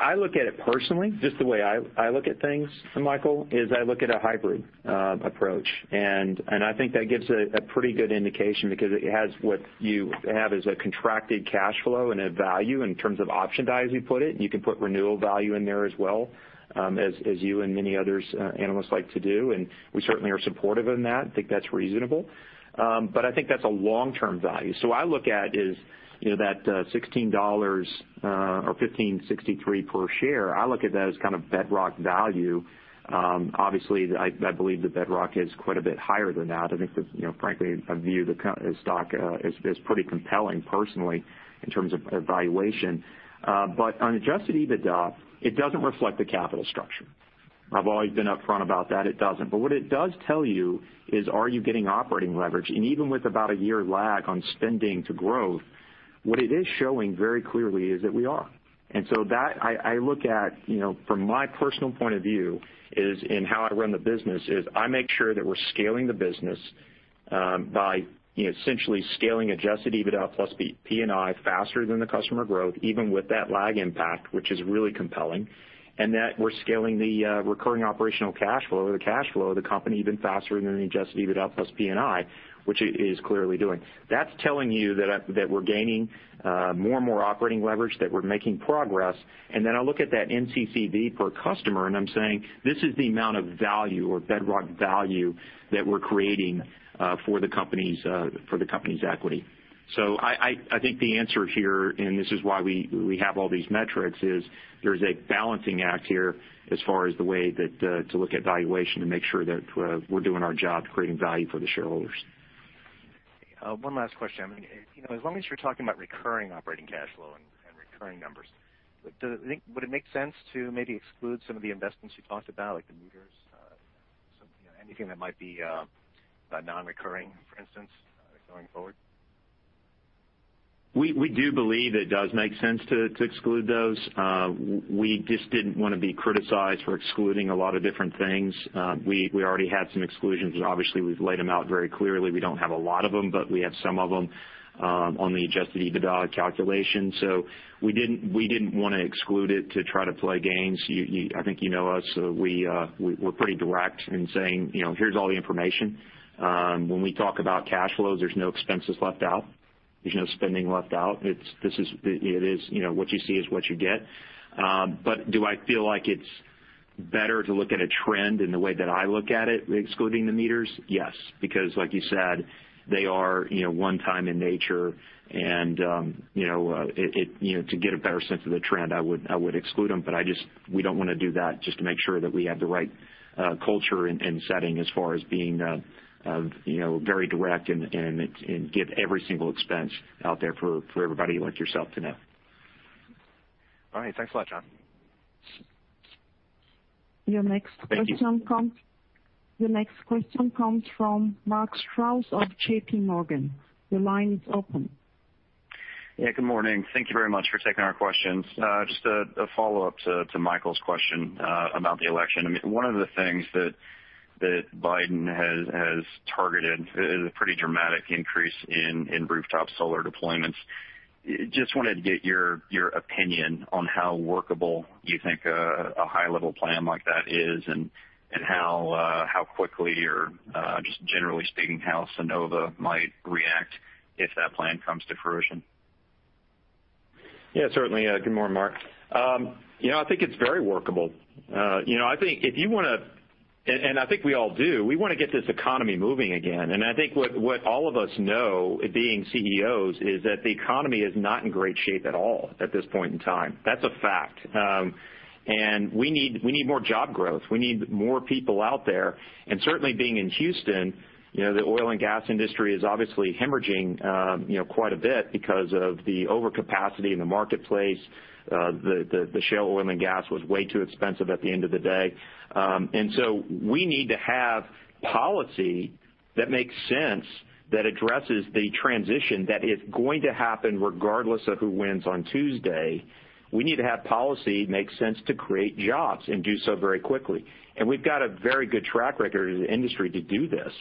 I look at it personally, just the way I look at things, Michael, is I look at a hybrid approach. I think that gives a pretty good indication because what you have is a contracted cash flow and a value in terms of option value, as you put it. You can put renewal value in there as well, as you and many other analysts like to do, and we certainly are supportive of that. I think that's reasonable. I think that's a long-term value. I look at is, that $16 or $15.63 per share, I look at that as kind of bedrock value. Obviously, I believe the bedrock is quite a bit higher than that. I think, frankly, I view the stock as pretty compelling personally, in terms of valuation. On Adjusted EBITDA, it doesn't reflect the capital structure. I've always been upfront about that. It doesn't. What it does tell you is, are you getting operating leverage? Even with about a year lag on spending to growth, what it is showing very clearly is that we are. That I look at, from my personal point of view, is in how I run the business is I make sure that we're scaling the business by essentially scaling Adjusted EBITDA plus P&I faster than the customer growth, even with that lag impact, which is really compelling. That we're scaling the recurring operational cash flow or the cash flow of the company even faster than the Adjusted EBITDA plus P&I, which it is clearly doing. That's telling you that we're gaining more and more operating leverage, that we're making progress. I look at that NCCV per customer, and I'm saying, "This is the amount of value or bedrock value that we're creating for the company's equity." I think the answer here, and this is why we have all these metrics, is there's a balancing act here as far as the way to look at valuation to make sure that we're doing our job to create value for the shareholders.
One last question. As long as you're talking about recurring operating cash flow and recurring numbers, would it make sense to maybe exclude some of the investments you talked about, like the meters, anything that might be non-recurring, for instance, going forward?
We do believe it does make sense to exclude those. We just didn't want to be criticized for excluding a lot of different things. We already had some exclusions. Obviously, we've laid them out very clearly. We don't have a lot of them, but we have some of them on the Adjusted EBITDA calculation. We didn't want to exclude it to try to play games. I think you know us. We're pretty direct in saying, "Here's all the information." When we talk about cash flows, there's no expenses left out. There's no spending left out. What you see is what you get. Do I feel like it's better to look at a trend in the way that I look at it, excluding the meters? Yes, because like you said, they are one-time in nature and to get a better sense of the trend, I would exclude them, but we don't want to do that just to make sure that we have the right culture and setting as far as being very direct and give every single expense out there for everybody like yourself to know.
All right. Thanks a lot, John.
Your next-
Thank you.
Your next question comes from Mark Strouse of JPMorgan. Your line is open.
Yeah, good morning. Thank you very much for taking our questions. Just a follow-up to Michael's question about the election. One of the things that Biden has targeted is a pretty dramatic increase in rooftop solar deployments. Just wanted to get your opinion on how workable you think a high-level plan like that is and how quickly or just generally speaking, how Sunnova might react if that plan comes to fruition.
Yeah, certainly. Good morning, Mark. I think it's very workable. I think if you want to, and I think we all do, we want to get this economy moving again. I think what all of us know, being CEOs, is that the economy is not in great shape at all at this point in time. That's a fact. We need more job growth. We need more people out there. Certainly, being in Houston, the oil and gas industry is obviously hemorrhaging quite a bit because of the overcapacity in the marketplace. The shale oil and gas was way too expensive at the end of the day. We need to have a policy that makes sense, that addresses the transition that is going to happen regardless of who wins on Tuesday. We need to have a policy make sense to create jobs and do so very quickly. We've got a very good track record in the industry to do this.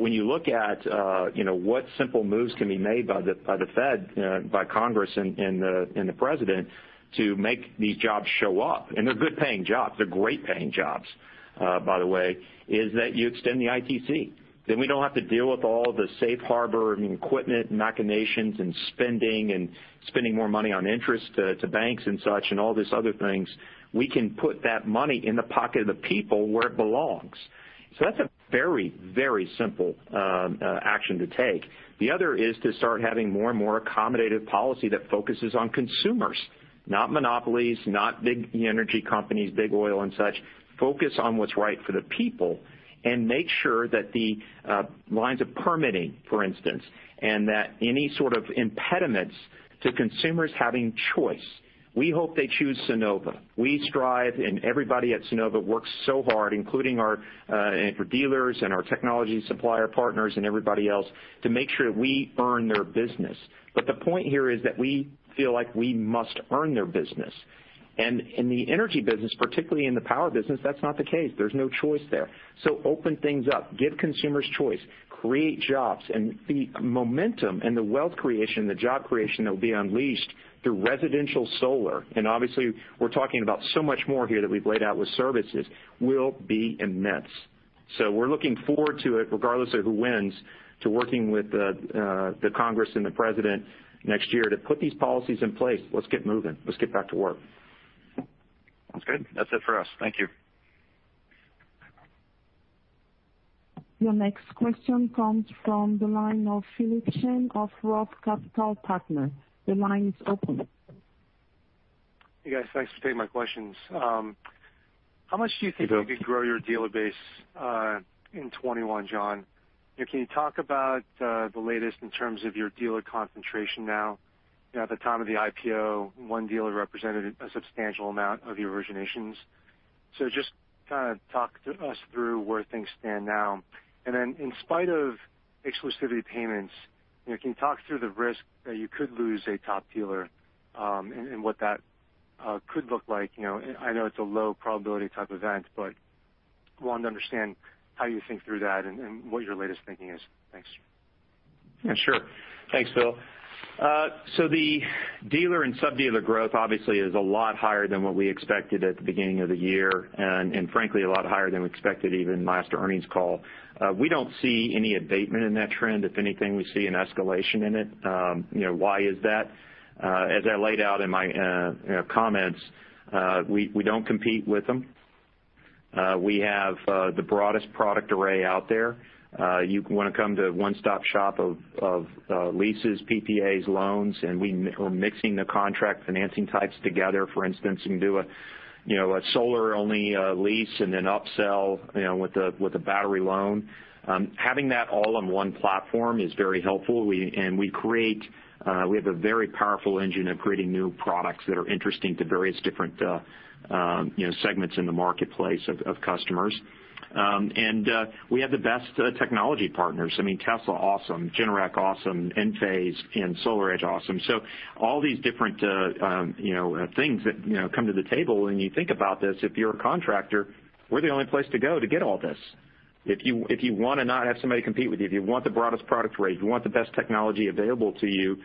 When you look at what simple moves can be made by the Fed, by Congress, and the President to make these jobs show up, and they're good-paying jobs, they're great-paying jobs, by the way, is that you extend the ITC. We don't have to deal with all the safe harbor and equipment machinations and spending more money on interest to banks and such, and all these other things. We can put that money in the pocket of the people where it belongs. That's a very, very simple action to take. The other is to start having more and more accommodative policy that focuses on consumers, not monopolies, not big energy companies, big oil and such. Focus on what's right for the people and make sure that the lines of permitting, for instance, and that any sort of impediments to consumers having choice. We hope they choose Sunnova. We strive and everybody at Sunnova works so hard, including our dealers and our technology supplier partners and everybody else, to make sure we earn their business. The point here is that we feel like we must earn their business. In the energy business, particularly in the power business, that's not the case. There's no choice there. Open things up. Give consumers choice. Create jobs. The momentum and the wealth creation, the job creation that will be unleashed through residential solar, and obviously, we're talking about so much more here that we've laid out with services, will be immense. We're looking forward to it, regardless of who wins, to working with the Congress and the President next year to put these policies in place. Let's get moving. Let's get back to work.
Sounds good. That's it for us. Thank you.
Your next question comes from the line of Philip Shen of Roth Capital Partners. The line is open.
Hey, guys. Thanks for taking my questions.
Hey, Phil.
How much do you think you could grow your dealer base in 2021, John? Can you talk about the latest in terms of your dealer concentration now? At the time of the IPO, one dealer represented a substantial amount of the originations. Just talk us through where things stand now. In spite of exclusivity payments, can you talk through the risk that you could lose a top dealer, and what that could look like? I know it's a low probability type of event. I wanted to understand how you think through that and what your latest thinking is. Thanks.
Yeah, sure. Thanks, Phil. The dealer and sub-dealer growth obviously is a lot higher than what we expected at the beginning of the year, and frankly, a lot higher than we expected even last earnings call. We don't see any abatement in that trend. If anything, we see an escalation in it. Why is that? As I laid out in my comments, we don't compete with them. We have the broadest product array out there. You want to come to a one-stop shop of leases, PPAs, loans, and we're mixing the contract financing types together. For instance, you can do a solar-only lease and then upsell with a battery loan. Having that all on one platform is very helpful. We have a very powerful engine of creating new products that are interesting to various different segments in the marketplace of customers. We have the best technology partners. I mean, Tesla, awesome. Generac, awesome. Enphase and SolarEdge, awesome. All these different things that come to the table, when you think about this, if you're a contractor, we're the only place to go to get all this. If you want to not have somebody compete with you, if you want the broadest product range, you want the best technology available to you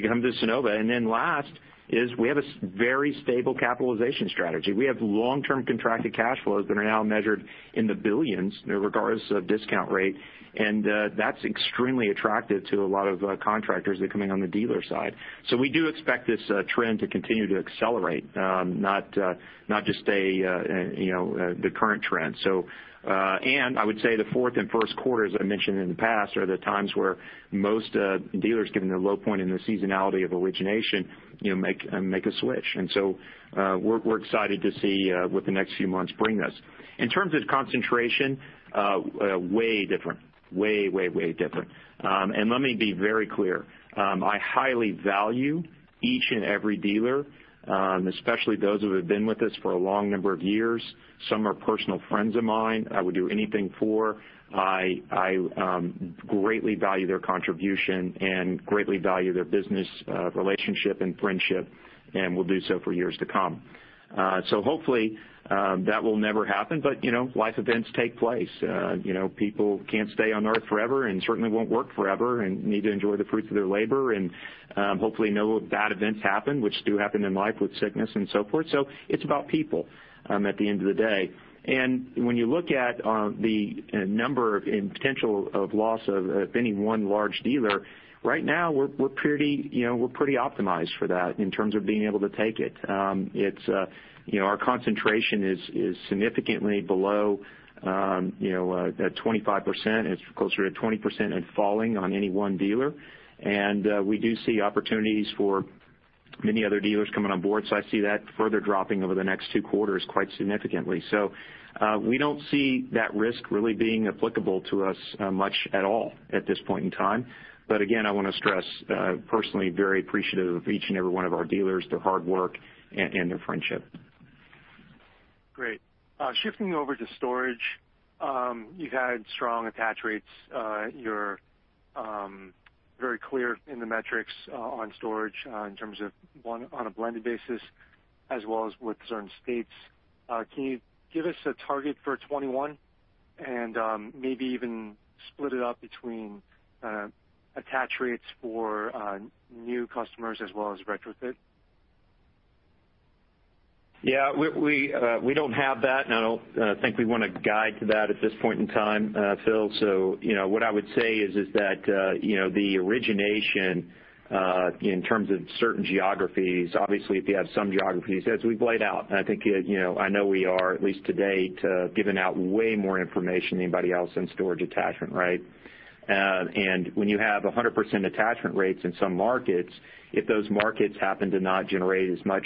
can come to Sunnova. Last is we have a very stable capitalization strategy. We have long-term contracted cash flows that are now measured in the billions, regardless of discount rate, and that's extremely attractive to a lot of contractors that are coming on the dealer side. We do expect this trend to continue to accelerate, not just the current trend. I would say the fourth and first quarters, as I mentioned in the past, are the times where most dealers, given their low point in the seasonality of origination, make a switch. We're excited to see what the next few months bring us. In terms of concentration, way different. Way different. Let me be very clear. I highly value each and every dealer, especially those who have been with us for a long number of years. Some are personal friends of mine, I would do anything for. I greatly value their contribution and greatly value their business relationship and friendship, and will do so for years to come. Hopefully, that will never happen, but life events take place. People can't stay on Earth forever and certainly won't work forever and need to enjoy the fruits of their labor and hopefully no bad events happen, which do happen in life with sickness and so forth. It's about people at the end of the day. When you look at the number and potential of loss of any one large dealer, right now, we're pretty optimized for that in terms of being able to take it. Our concentration is significantly below 25%. It's closer to 20% and falling on any one dealer. We do see opportunities for many other dealers coming on board. I see that further dropping over the next two quarters quite significantly. We don't see that risk really being applicable to us much at all at this point in time. Again, I want to stress, personally very appreciative of each and every one of our dealers, their hard work, and their friendship.
Great. Shifting over to storage. You've had strong attach rates. You're very clear in the metrics on storage in terms of, one, on a blended basis as well as with certain states. Can you give us a target for 2021? Maybe even split it up between attach rates for new customers as well as retrofit?
Yeah. We don't have that, and I don't think we want to guide to that at this point in time, Phil. What I would say is that the origination in terms of certain geographies, obviously, if you have some geographies, as we've laid out, and I know we are, at least to date, giving out way more information than anybody else in storage attachment, right? When you have 100% attachment rates in some markets, if those markets happen to not generate as much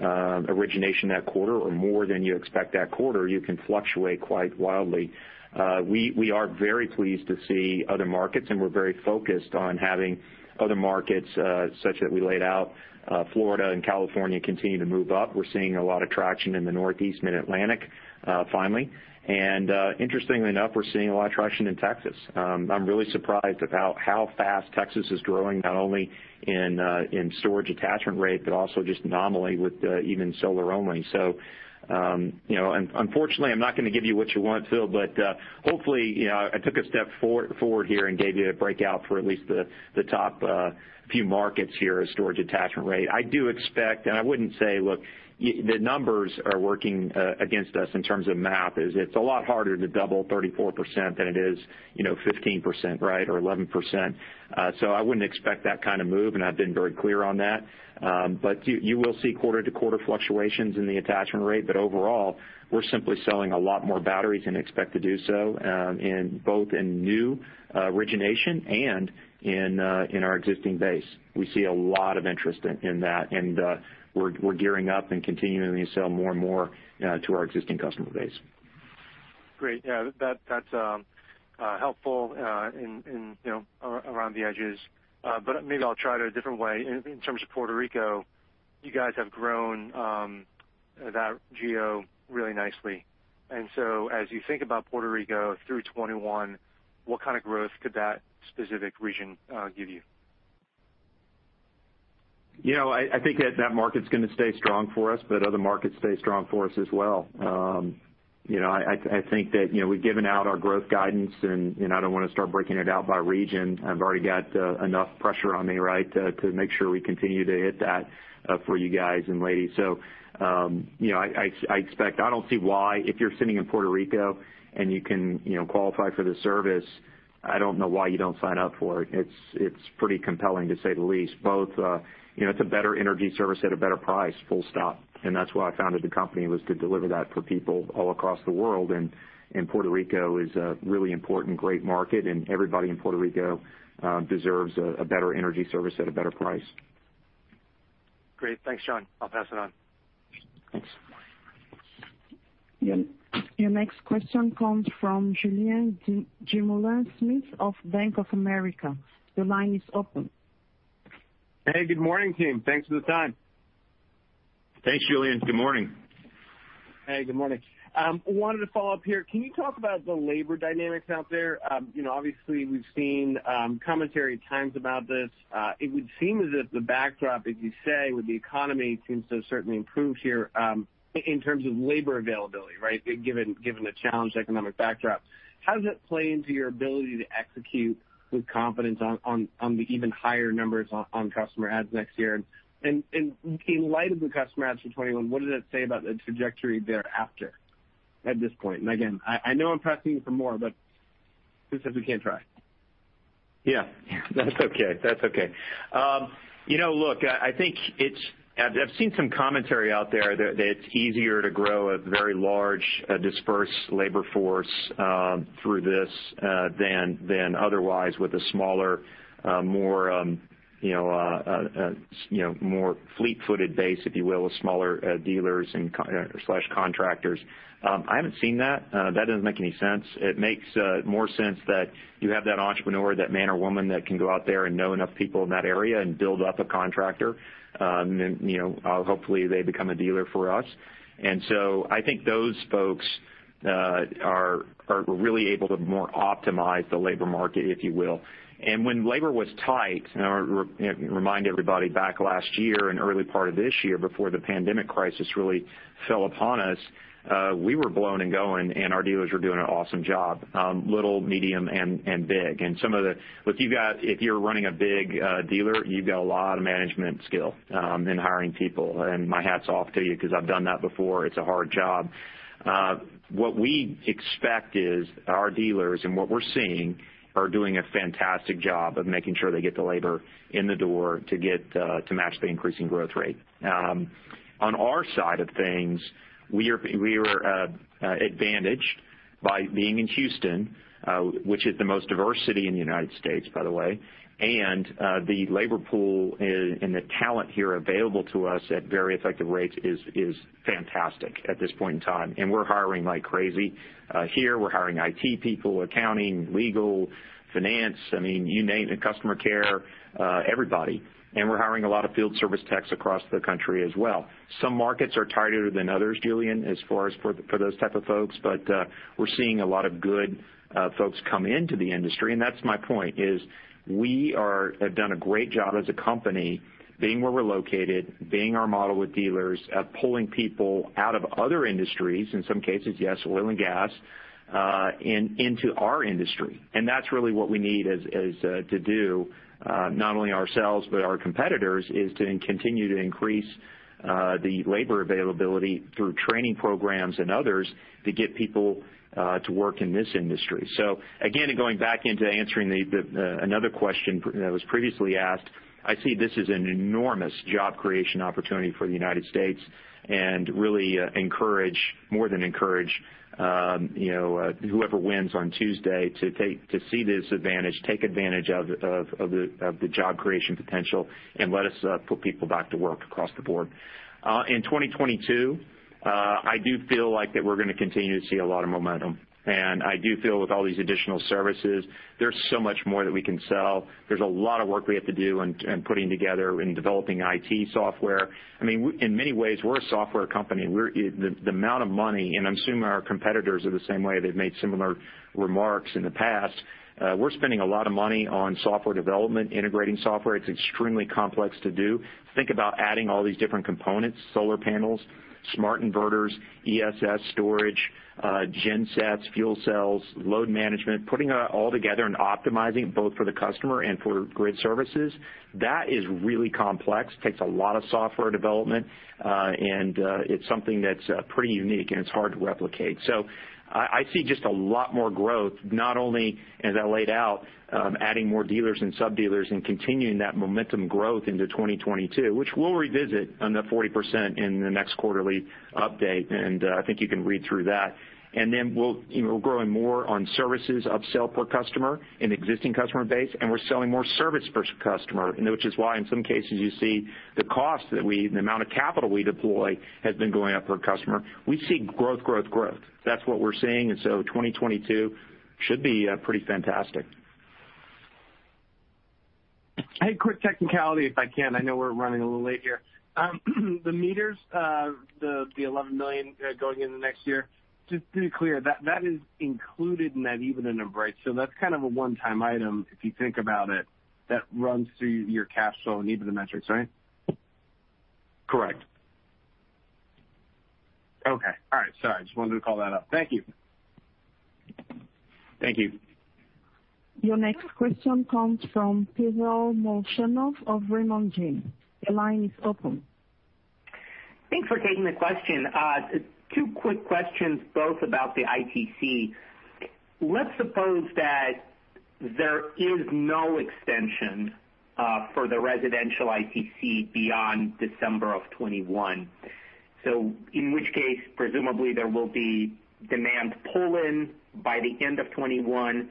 origination that quarter or more than you expect that quarter, you can fluctuate quite wildly. We are very pleased to see other markets, and we're very focused on having other markets such that we laid out. Florida and California continue to move up. We're seeing a lot of traction in the Northeast Mid-Atlantic finally. Interestingly enough, we're seeing a lot of traction in Texas. I'm really surprised about how fast Texas is growing, not only in storage attachment rate, but also just nominally with even solar only. Unfortunately, I'm not going to give you what you want, Phil, but hopefully, I took a step forward here and gave you a breakout for at least the top few markets here as storage attachment rate. I do expect, and I wouldn't say, look, the numbers are working against us in terms of math, as it's a lot harder to double 34% than it is 15%, right, or 11%. I wouldn't expect that kind of move, and I've been very clear on that. You will see quarter-to-quarter fluctuations in the attachment rate. Overall, we're simply selling a lot more batteries and expect to do so both in new origination and in our existing base. We see a lot of interest in that, and we're gearing up and continuing to sell more and more to our existing customer base.
Great. That's helpful around the edges. Maybe I'll try it a different way. In terms of Puerto Rico, you guys have grown that geo really nicely. As you think about Puerto Rico through 2021, what kind of growth could that specific region give you?
I think that the market's going to stay strong for us, but other markets stay strong for us as well. I think that we've given out our growth guidance, and I don't want to start breaking it out by region. I've already got enough pressure on me, right, to make sure we continue to hit that for you guys and ladies. I expect, I don't see why, if you're sitting in Puerto Rico and you can qualify for the service, I don't know why you don't sign up for it. It's pretty compelling, to say the least. Both, it's a better energy service at a better price, full stop. That's why I founded the company, was to deliver that for people all across the world. Puerto Rico is a really important, great market, and everybody in Puerto Rico deserves a better energy service at a better price.
Great. Thanks, John. I'll pass it on.
Thanks.
Your next question comes from Julien Dumoulin-Smith of Bank of America. Your line is open.
Hey, good morning, team. Thanks for the time.
Thanks, Julien. Good morning.
Hey, good morning. I wanted to follow up here. Can you talk about the labor dynamics out there? Obviously, we've seen commentary times about this. It would seem as if the backdrop, as you say, with the economy, seems to have certainly improved here in terms of labor availability, right? Given the challenging economic backdrop, how does it play into your ability to execute with confidence on the even higher numbers on customer adds next year? In light of the customer adds for 2021, what does that say about the trajectory thereafter at this point? Again, I know I'm pressing you for more, but who says we can't try?
Yeah. That's okay. Look, I've seen some commentary out there that it's easier to grow a very large, dispersed labor force through this than otherwise with a smaller, more fleet-footed base, if you will, of smaller dealers/contractors. I haven't seen that. That doesn't make any sense. It makes more sense that you have that entrepreneur, that man or woman that can go out there and know enough people in that area and build up a contractor. Hopefully, they become a dealer for us. I think those folks are really able to more optimize the labor market, if you will. When labor was tight, remind everybody back last year and early part of this year before the pandemic crisis really fell upon us, we were blowing and going, and our dealers were doing an awesome job. Little, medium, and big. If you're running a big dealer, you've got a lot of management skills in hiring people, and my hat's off to you because I've done that before. It's a hard job. What we expect is our dealers, and what we're seeing, are doing a fantastic job of making sure they get the labor in the door to match the increasing growth rate. On our side of things, we are advantaged by being in Houston, which is the most diverse city in the United States, by the way, and the labor pool and the talent here available to us at very effective rates is fantastic at this point in time, and we're hiring like crazy. Here, we're hiring IT people, accounting, legal, finance, you name it, customer care, everybody. We're hiring a lot of field service techs across the country as well. Some markets are tighter than others, Julien, as far as for those type of folks. We're seeing a lot of good folks come into the industry, and that's my point is we have done a great job as a company, being where we're located, being our model with dealers, pulling people out of other industries, in some cases, yes, oil and gas, into our industry. That's really what we need to do, not only ourselves, but our competitors, is to continue to increase the labor availability through training programs and others to get people to work in this industry. Again, and going back into answering another question that was previously asked, I see this as an enormous job creation opportunity for the United States and really encourage, more than encourage, whoever wins on Tuesday to see this advantage, take advantage of the job creation potential, and let us put people back to work across the board. In 2022, I do feel like we're going to continue to see a lot of momentum. I do feel with all these additional services, there's so much more that we can sell. There's a lot of work we have to do in putting together and developing IT software. In many ways, we're a software company. The amount of money, and I'm assuming our competitors are the same way, they've made similar remarks in the past. We're spending a lot of money on software development, integrating software. It's extremely complex to do. Think about adding all these different components, solar panels, smart inverters, ESS storage, gensets, fuel cells, load management, putting it all together, and optimizing both for the customer and for grid services. That is really complex, takes a lot of software development, and it's something that's pretty unique, and it's hard to replicate. I see just a lot more growth, not only as I laid out, adding more dealers and sub-dealers and continuing that momentum growth into 2022, which we'll revisit on the 40% in the next quarterly update, and I think you can read through that. We're growing more on services upsell per customer in existing customer base, and we're selling more services per customer, which is why in some cases you see the cost, the amount of capital we deploy has been going up per customer. We see growth. That's what we're seeing, and so 2022 should be pretty fantastic.
Hey, quick technicality, if I can. I know we're running a little late here. The meters, the $11 million going in the next year, just to be clear, that is included in that EBITDA number, right? That's kind of a one-time item if you think about it, that runs through your cash flow and even the metrics, right?
Correct.
Okay. All right. Sorry, just wanted to call that out. Thank you.
Thank you.
Your next question comes from Pavel Molchanov of Raymond James. Your line is open.
Thanks for taking the question. Two quick questions, both about the ITC. Let's suppose that there is no extension for the residential ITC beyond December 2021. In which case, presumably, there will be demand pull-in by the end of 2021.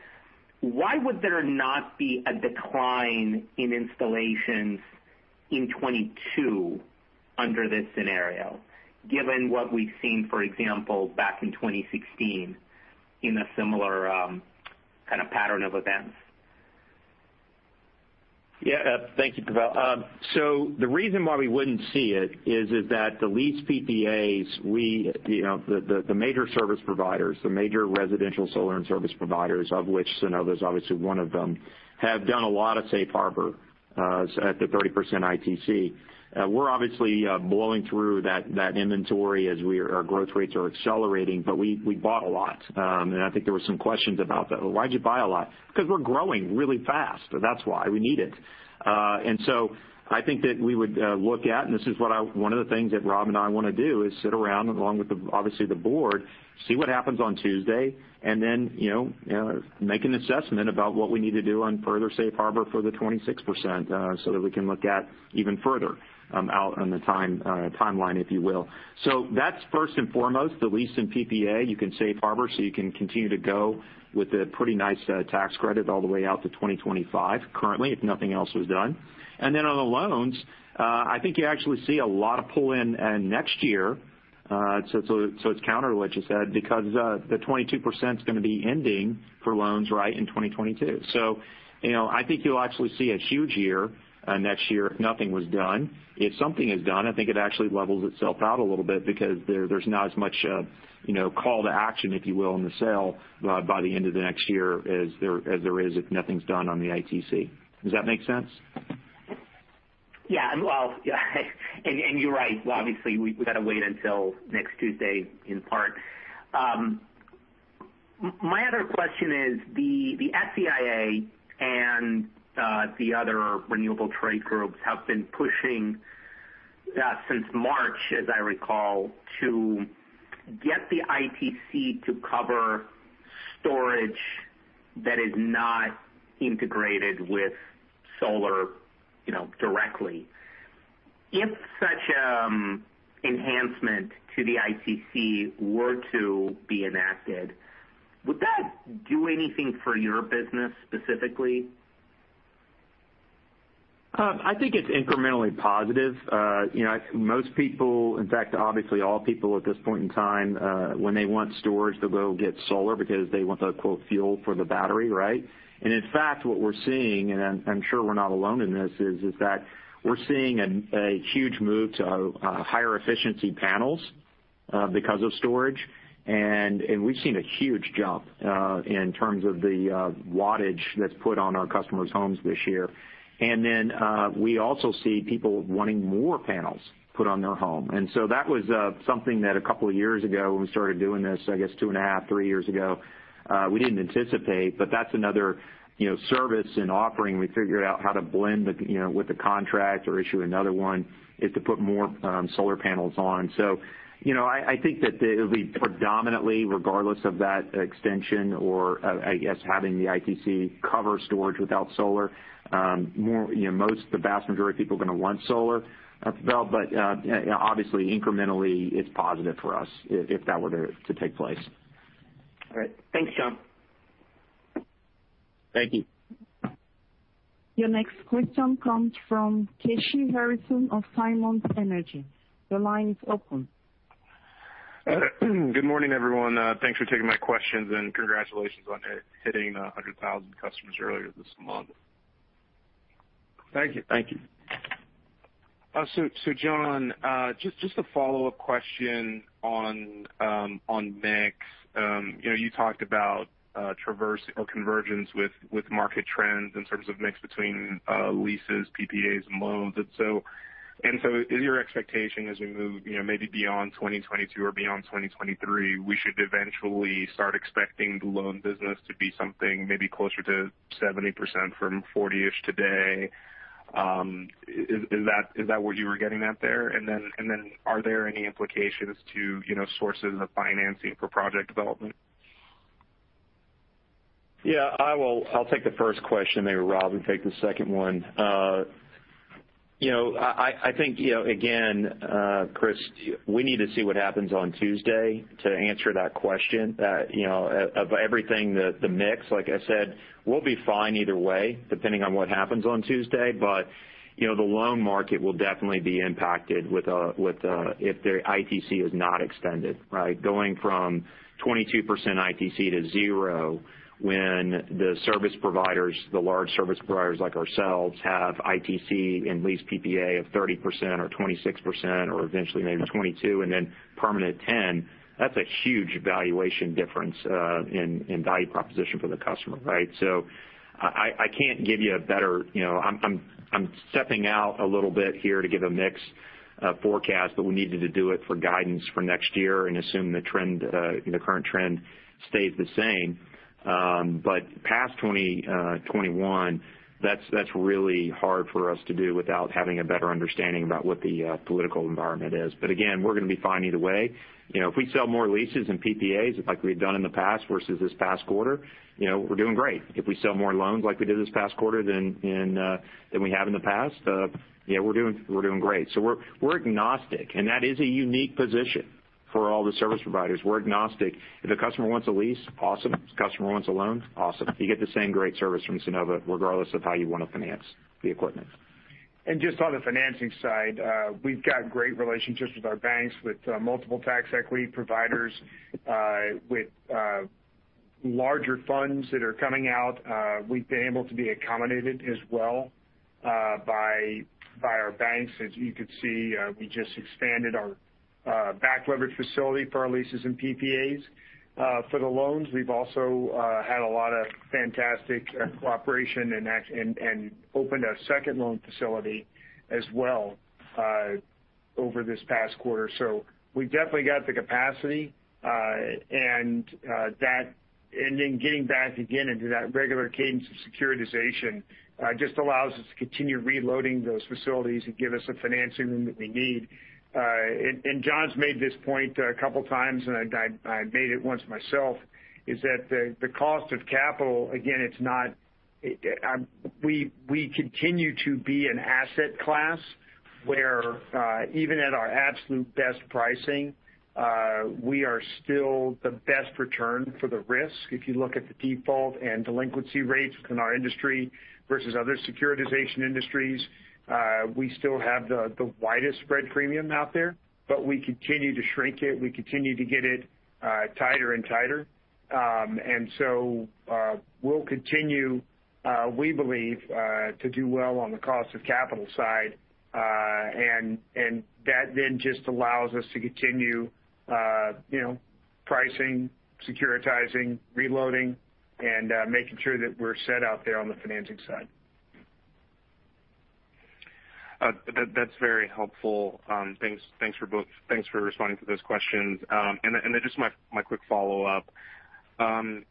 Why would there not be a decline in installations in 2022 under this scenario, given what we've seen, for example, back in 2016, in a similar kind of pattern of events?
Yeah. Thank you, Pavel. The reason why we wouldn't see it is that the lease PPAs, the major service providers, the major residential solar and service providers, of which Sunnova's obviously one of them, have done a lot of safe harbor at the 30% ITC. We're obviously blowing through that inventory as our growth rates are accelerating, but we bought a lot. I think there were some questions about that. Well, why'd you buy a lot? Because we're growing really fast. That's why. We need it. I think that we would look at, and this is one of the things that Rob and I want to do is sit around along with, obviously, the board, see what happens on Tuesday, and then make an assessment about what we need to do on further safe harbor for the 26% so that we can look at even further out on the timeline, if you will. That's first and foremost, the lease and PPA, you can safe harbor, so you can continue to go with a pretty nice tax credit all the way out to 2025 currently, if nothing else was done. On the loans, I think you actually see a lot of pull in next year. It's counter to what you said because the 22%'s going to be ending for loans right in 2022. I think you'll actually see a huge year next year if nothing was done. If something is done, I think it actually levels itself out a little bit because there's not as much call to action, if you will, in the sale by the end of the next year as there is if nothing's done on the ITC. Does that make sense?
Yeah. Well, you're right. Obviously, we've got to wait until next Tuesday in part. My other question is the SEIA and the other renewable trade groups have been pushing since March, as I recall, to get the ITC to cover storage that is not integrated with solar directly. If such an enhancement to the ITC were to be enacted, would that do anything for your business specifically?
I think it's incrementally positive. Most people, in fact, obviously all people at this point in time, when they want storage, they'll go get solar because they want the "fuel" for the battery, right? In fact, what we're seeing, and I'm sure we're not alone in this, is that we're seeing a huge move to higher efficiency panels because of storage. We've seen a huge jump in terms of the wattage that's put on our customers' homes this year. We also see people wanting more panels put on their home. That was something that a couple of years ago when we started doing this, I guess two and a half, three years ago, we didn't anticipate, but that's another service and offering we figured out how to blend with the contract or issue another one is to put more solar panels on. I think that it'll be predominantly regardless of that extension or I guess having the ITC cover storage without solar. The vast majority of people are going to want solar. Obviously incrementally, it's positive for us if that were to take place.
All right. Thanks, John.
Thank you.
Your next question comes from Kashy Harrison of Piper Sandler. Your line is open.
Good morning, everyone. Thanks for taking my questions, and congratulations on hitting 100,000 customers earlier this month.
Thank you.
John, just a follow-up question on mix. You talked about convergence with market trends in terms of mix between leases, PPAs, and loans. Is your expectation as we move maybe beyond 2022 or beyond 2023, we should eventually start expecting the loan business to be something maybe closer to 70% from 40% today? Is that what you were getting at there? Are there any implications to sources of financing for project development?
Yeah. I'll take the first question there, Rob, and take the second one. I think, again, Chris, we need to see what happens on Tuesday to answer that question. Of everything, the mix, like I said, we'll be fine either way, depending on what happens on Tuesday. The loan market will definitely be impacted if the ITC is not extended, right? Going from 22% ITC to zero when the service providers, the large service providers like ourselves, have ITC and lease PPA of 30% or 26% or eventually maybe 22% and then permanent 10%, that's a huge valuation difference in value proposition for the customer, right? I'm stepping out a little bit here to give a mix forecast, but we needed to do it for guidance for next year and assume the current trend stays the same. Past 2021, that's really hard for us to do without having a better understanding about what the political environment is. Again, we're going to be fine either way. If we sell more leases and PPAs like we've done in the past versus this past quarter, we're doing great. If we sell more loans like we did this past quarter than we have in the past, yeah, we're doing great. We're agnostic, and that is a unique position for all the service providers. We're agnostic. If the customer wants a lease, awesome. If the customer wants a loan, awesome. You get the same great service from Sunnova regardless of how you want to finance the equipment.
Just on the financing side, we've got great relationships with our banks, with multiple tax equity providers, with larger funds that are coming out. We've been able to be accommodated as well by our banks. As you could see, we just expanded our backed leverage facility for our leases and PPAs. For the loans, we've also had a lot of fantastic cooperation and opened a second loan facility as well over this past quarter. We've definitely got the capacity. Then getting back again into that regular cadence of securitization just allows us to continue reloading those facilities and gives us the financing room that we need. John's made this point a couple of times, and I made it once myself, is that the cost of capital, again, we continue to be an asset class where even at our absolute best pricing, we are still the best return for the risk. If you look at the default and delinquency rates within our industry versus other securitization industries, we still have the widest spread premium out there, but we continue to shrink it. We continue to get it tighter and tighter. We'll continue, we believe, to do well on the cost of capital side. That then just allows us to continue pricing, securitizing, reloading, and making sure that we're set out there on the financing side.
That's very helpful. Thanks for responding to those questions. Then just my quick follow-up.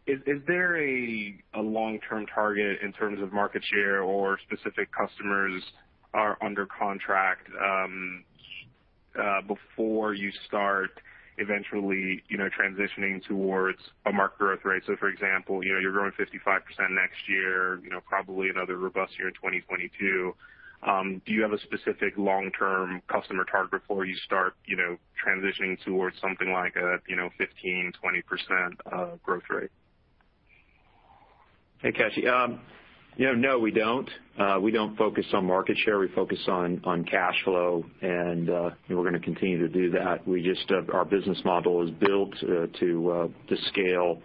Is there a long-term target in terms of market share or specific customers are under contract before you start eventually transitioning towards a market growth rate? For example, you're growing 55% next year, probably another robust year in 2022. Do you have a specific long-term customer target before you start transitioning towards something like a 15%-20% growth rate?
Hey, Kashy. No, we don't. We don't focus on market share. We focus on cash flow, and we're going to continue to do that. Our business model is built to scale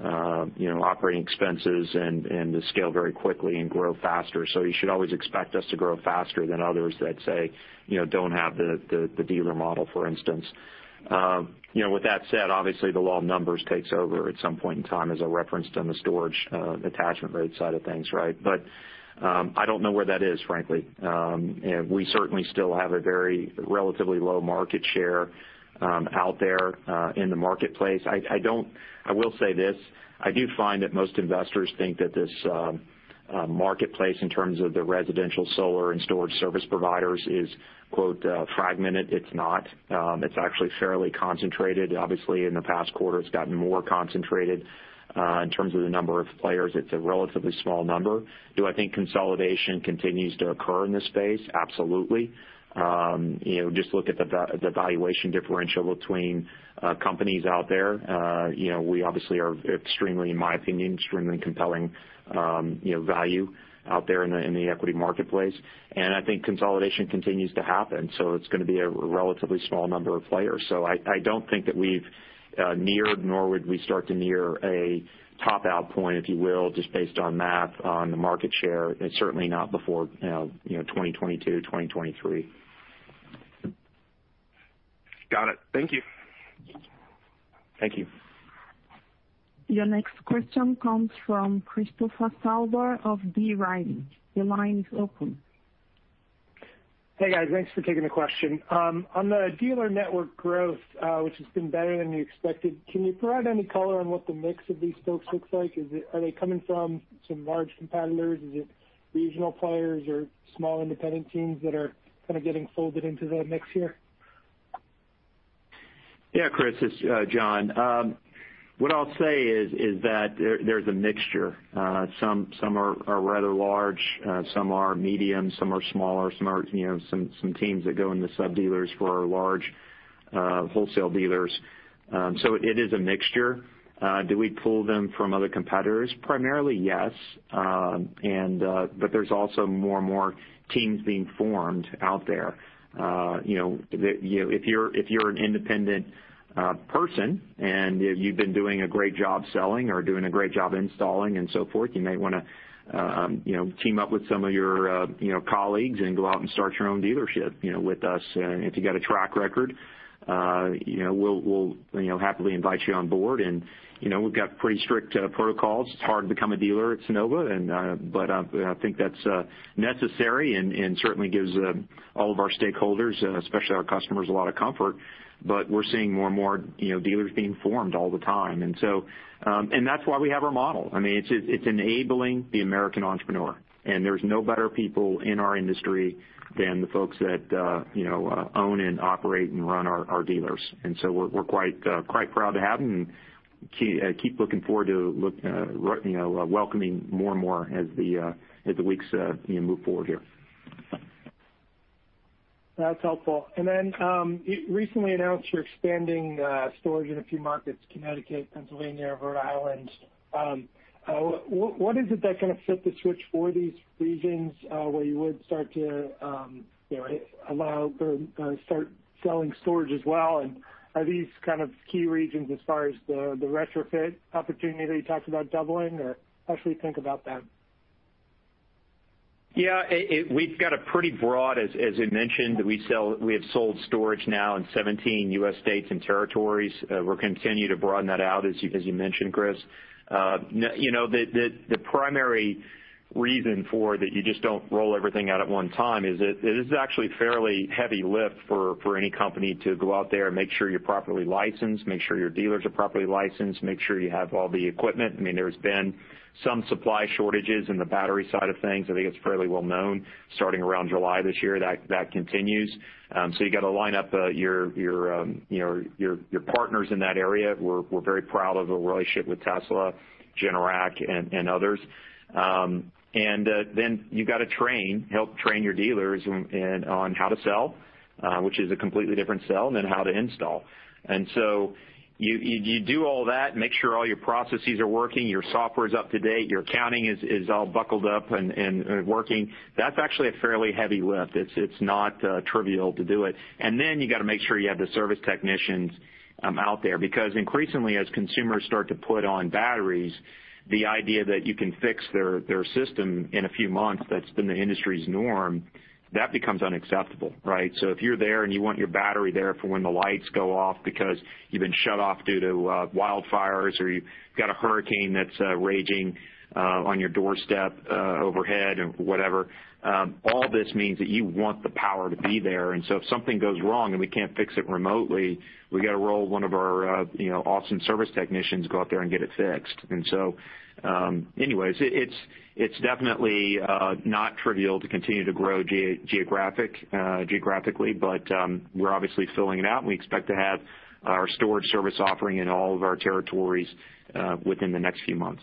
operating expenses and to scale very quickly and grow faster. You should always expect us to grow faster than others that, say, don't have the dealer model, for instance. With that said, obviously, the law of numbers takes over at some point in time, as I referenced on the storage attachment rate side of things, right? I don't know where that is, frankly. We certainly still have a very relatively low market share out there in the marketplace. I will say this. I do find that most investors think that this marketplace, in terms of the residential solar and storage service providers, is, quote, fragmented. It's not. It's actually fairly concentrated. Obviously, in the past quarter, it's gotten more concentrated in terms of the number of players. It's a relatively small number. Do I think consolidation continues to occur in this space? Absolutely. Just look at the valuation differential between companies out there. We obviously are, in my opinion, extremely compelling value out there in the equity marketplace. I think consolidation continues to happen. It's going to be a relatively small number of players. I don't think that we've neared, nor would we start to near a top-out point, if you will, just based on math on the market share, and certainly not before 2022, 2023.
Got it. Thank you.
Thank you.
Your next question comes from Christopher Souther of B. Riley. Your line is open.
Hey, guys. Thanks for taking the question. On the dealer network growth, which has been better than you expected, can you provide any color on what the mix of these folks looks like? Are they coming from some large competitors? Is it regional players or small independent teams that are kind of getting folded into the mix here?
Yeah, Chris, it's John. What I'll say is that there's a mixture. Some are rather large, some are medium, some are smaller, some are teams that go into sub-dealers for our large wholesale dealers. It is a mixture. Primarily, yes, there's also more and more teams being formed out there. If you're an independent person and you've been doing a great job selling or doing a great job installing and so forth, you might want to team up with some of your colleagues and go out and start your own dealership with us. If you've got a track record, we'll happily invite you on board. We've got pretty strict protocols. It's hard to become a dealer at Sunnova, but I think that's necessary and certainly gives all of our stakeholders, especially our customers, a lot of comfort. We're seeing more and more dealers being formed all the time. That's why we have our model. It's enabling the American entrepreneur. There's no better people in our industry than the folks that own and operate and run our dealers. We're quite proud to have them and keep looking forward to welcoming more and more as the weeks move forward here.
That's helpful. You recently announced you're expanding storage in a few markets, Connecticut, Pennsylvania, Rhode Island. What is it that kind of flipped the switch for these regions, where you would start to allow selling storage as well? Are these key regions as far as the retrofit opportunity that you talked about doubling, or how should we think about that?
Yeah. We've got a pretty broad, as I mentioned, we have sold storage now in 17 U.S. states and territories. We'll continue to broaden that out, as you mentioned, Chris. The primary reason for that you just don't roll everything out at one time is it is actually a fairly heavy lift for any company to go out there and make sure you're properly licensed, make sure your dealers are properly licensed, make sure you have all the equipment. There's been some supply shortages in the battery side of things. I think it's fairly well known, starting around July this year, that continues. You've got to line up your partners in that area. We're very proud of the relationship with Tesla, Generac, and others. You've got to help train your dealers on how to sell, which is a completely different sell than how to install. You do all that, make sure all your processes are working, your software's up to date, your accounting is all buckled up and working. That's actually a fairly heavy lift. It's not trivial to do it. You've got to make sure you have the service technicians out there, because increasingly, as consumers start to put on batteries, the idea that you can fix their system in a few months, that's been the industry's norm, that becomes unacceptable, right? If you're there and you want your battery there for when the lights go off because you've been shut off due to wildfires, or you've got a hurricane that's raging on your doorstep, overhead, or whatever, all this means that you want the power to be there. If something goes wrong and we can't fix it remotely, we've got to roll one of our awesome service technicians to go out there and get it fixed. Anyways, it's definitely not trivial to continue to grow geographically, but we're obviously filling it out, and we expect to have our storage service offering in all of our territories within the next few months.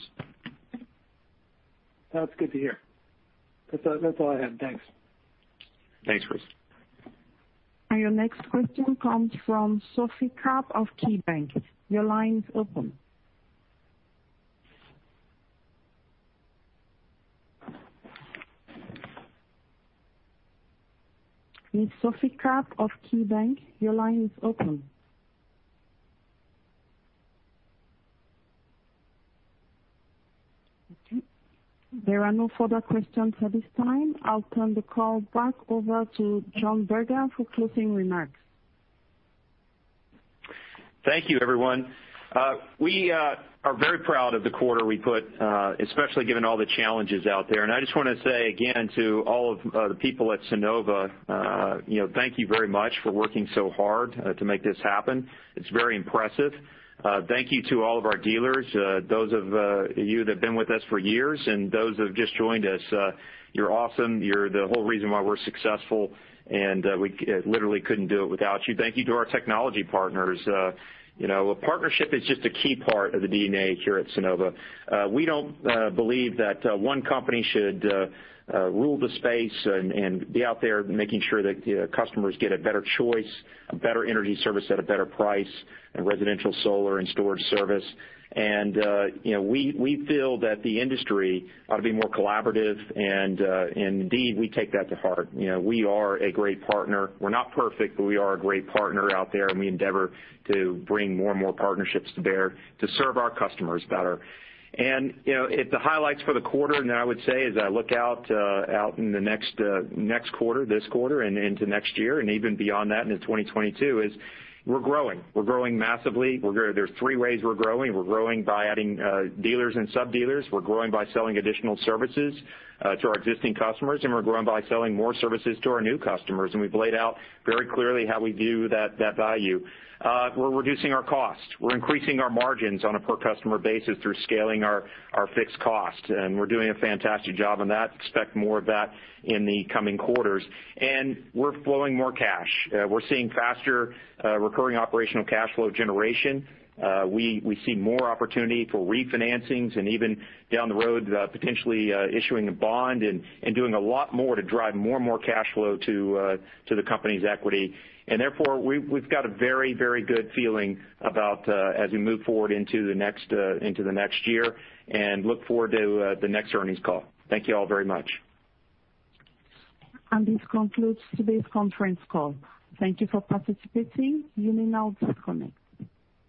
That's good to hear. That's all I have. Thanks.
Thanks, Christopher.
Your next question comes from Sophie Karp of KeyBanc. Miss Sophie Karp of KeyBanc, your line is open. Okay, there are no further questions at this time. I'll turn the call back over to John Berger for closing remarks.
Thank you, everyone. We are very proud of the quarter we put, especially given all the challenges out there. I just want to say again to all of the people at Sunnova, thank you very much for working so hard to make this happen. It's very impressive. Thank you to all of our dealers, those of you that have been with us for years and those who've just joined us. You're awesome. You're the whole reason why we're successful, and we literally couldn't do it without you. Thank you to our technology partners. A partnership is just a key part of the DNA here at Sunnova. We don't believe that one company should rule the space and be out there making sure that customers get a better choice, a better energy service at a better price, and residential solar and storage service. We feel that the industry ought to be more collaborative, and indeed, we take that to heart. We are a great partner. We're not perfect, but we are a great partner out there, and we endeavor to bring more and more partnerships to bear to serve our customers better. The highlights for the quarter, and then I would say, as I look out in the next quarter, this quarter, and into next year, and even beyond that into 2022, is we're growing. We're growing massively. There are three ways we're growing. We're growing by adding dealers and sub-dealers. We're growing by selling additional services to our existing customers, and we're growing by selling more services to our new customers. We've laid out very clearly how we view that value. We're reducing our costs. We're increasing our margins on a per-customer basis through scaling our fixed costs. We're doing a fantastic job on that. Expect more of that in the coming quarters. We're flowing more cash. We're seeing faster recurring operational cash flow generation. We see more opportunity for refinancings and even down the road, potentially issuing a bond and doing a lot more to drive more and more cash flow to the company's equity. Therefore, we've got a very good feeling about as we move forward into the next year and look forward to the next earnings call. Thank you all very much.
This concludes today's conference call. Thank you for participating. You may now disconnect.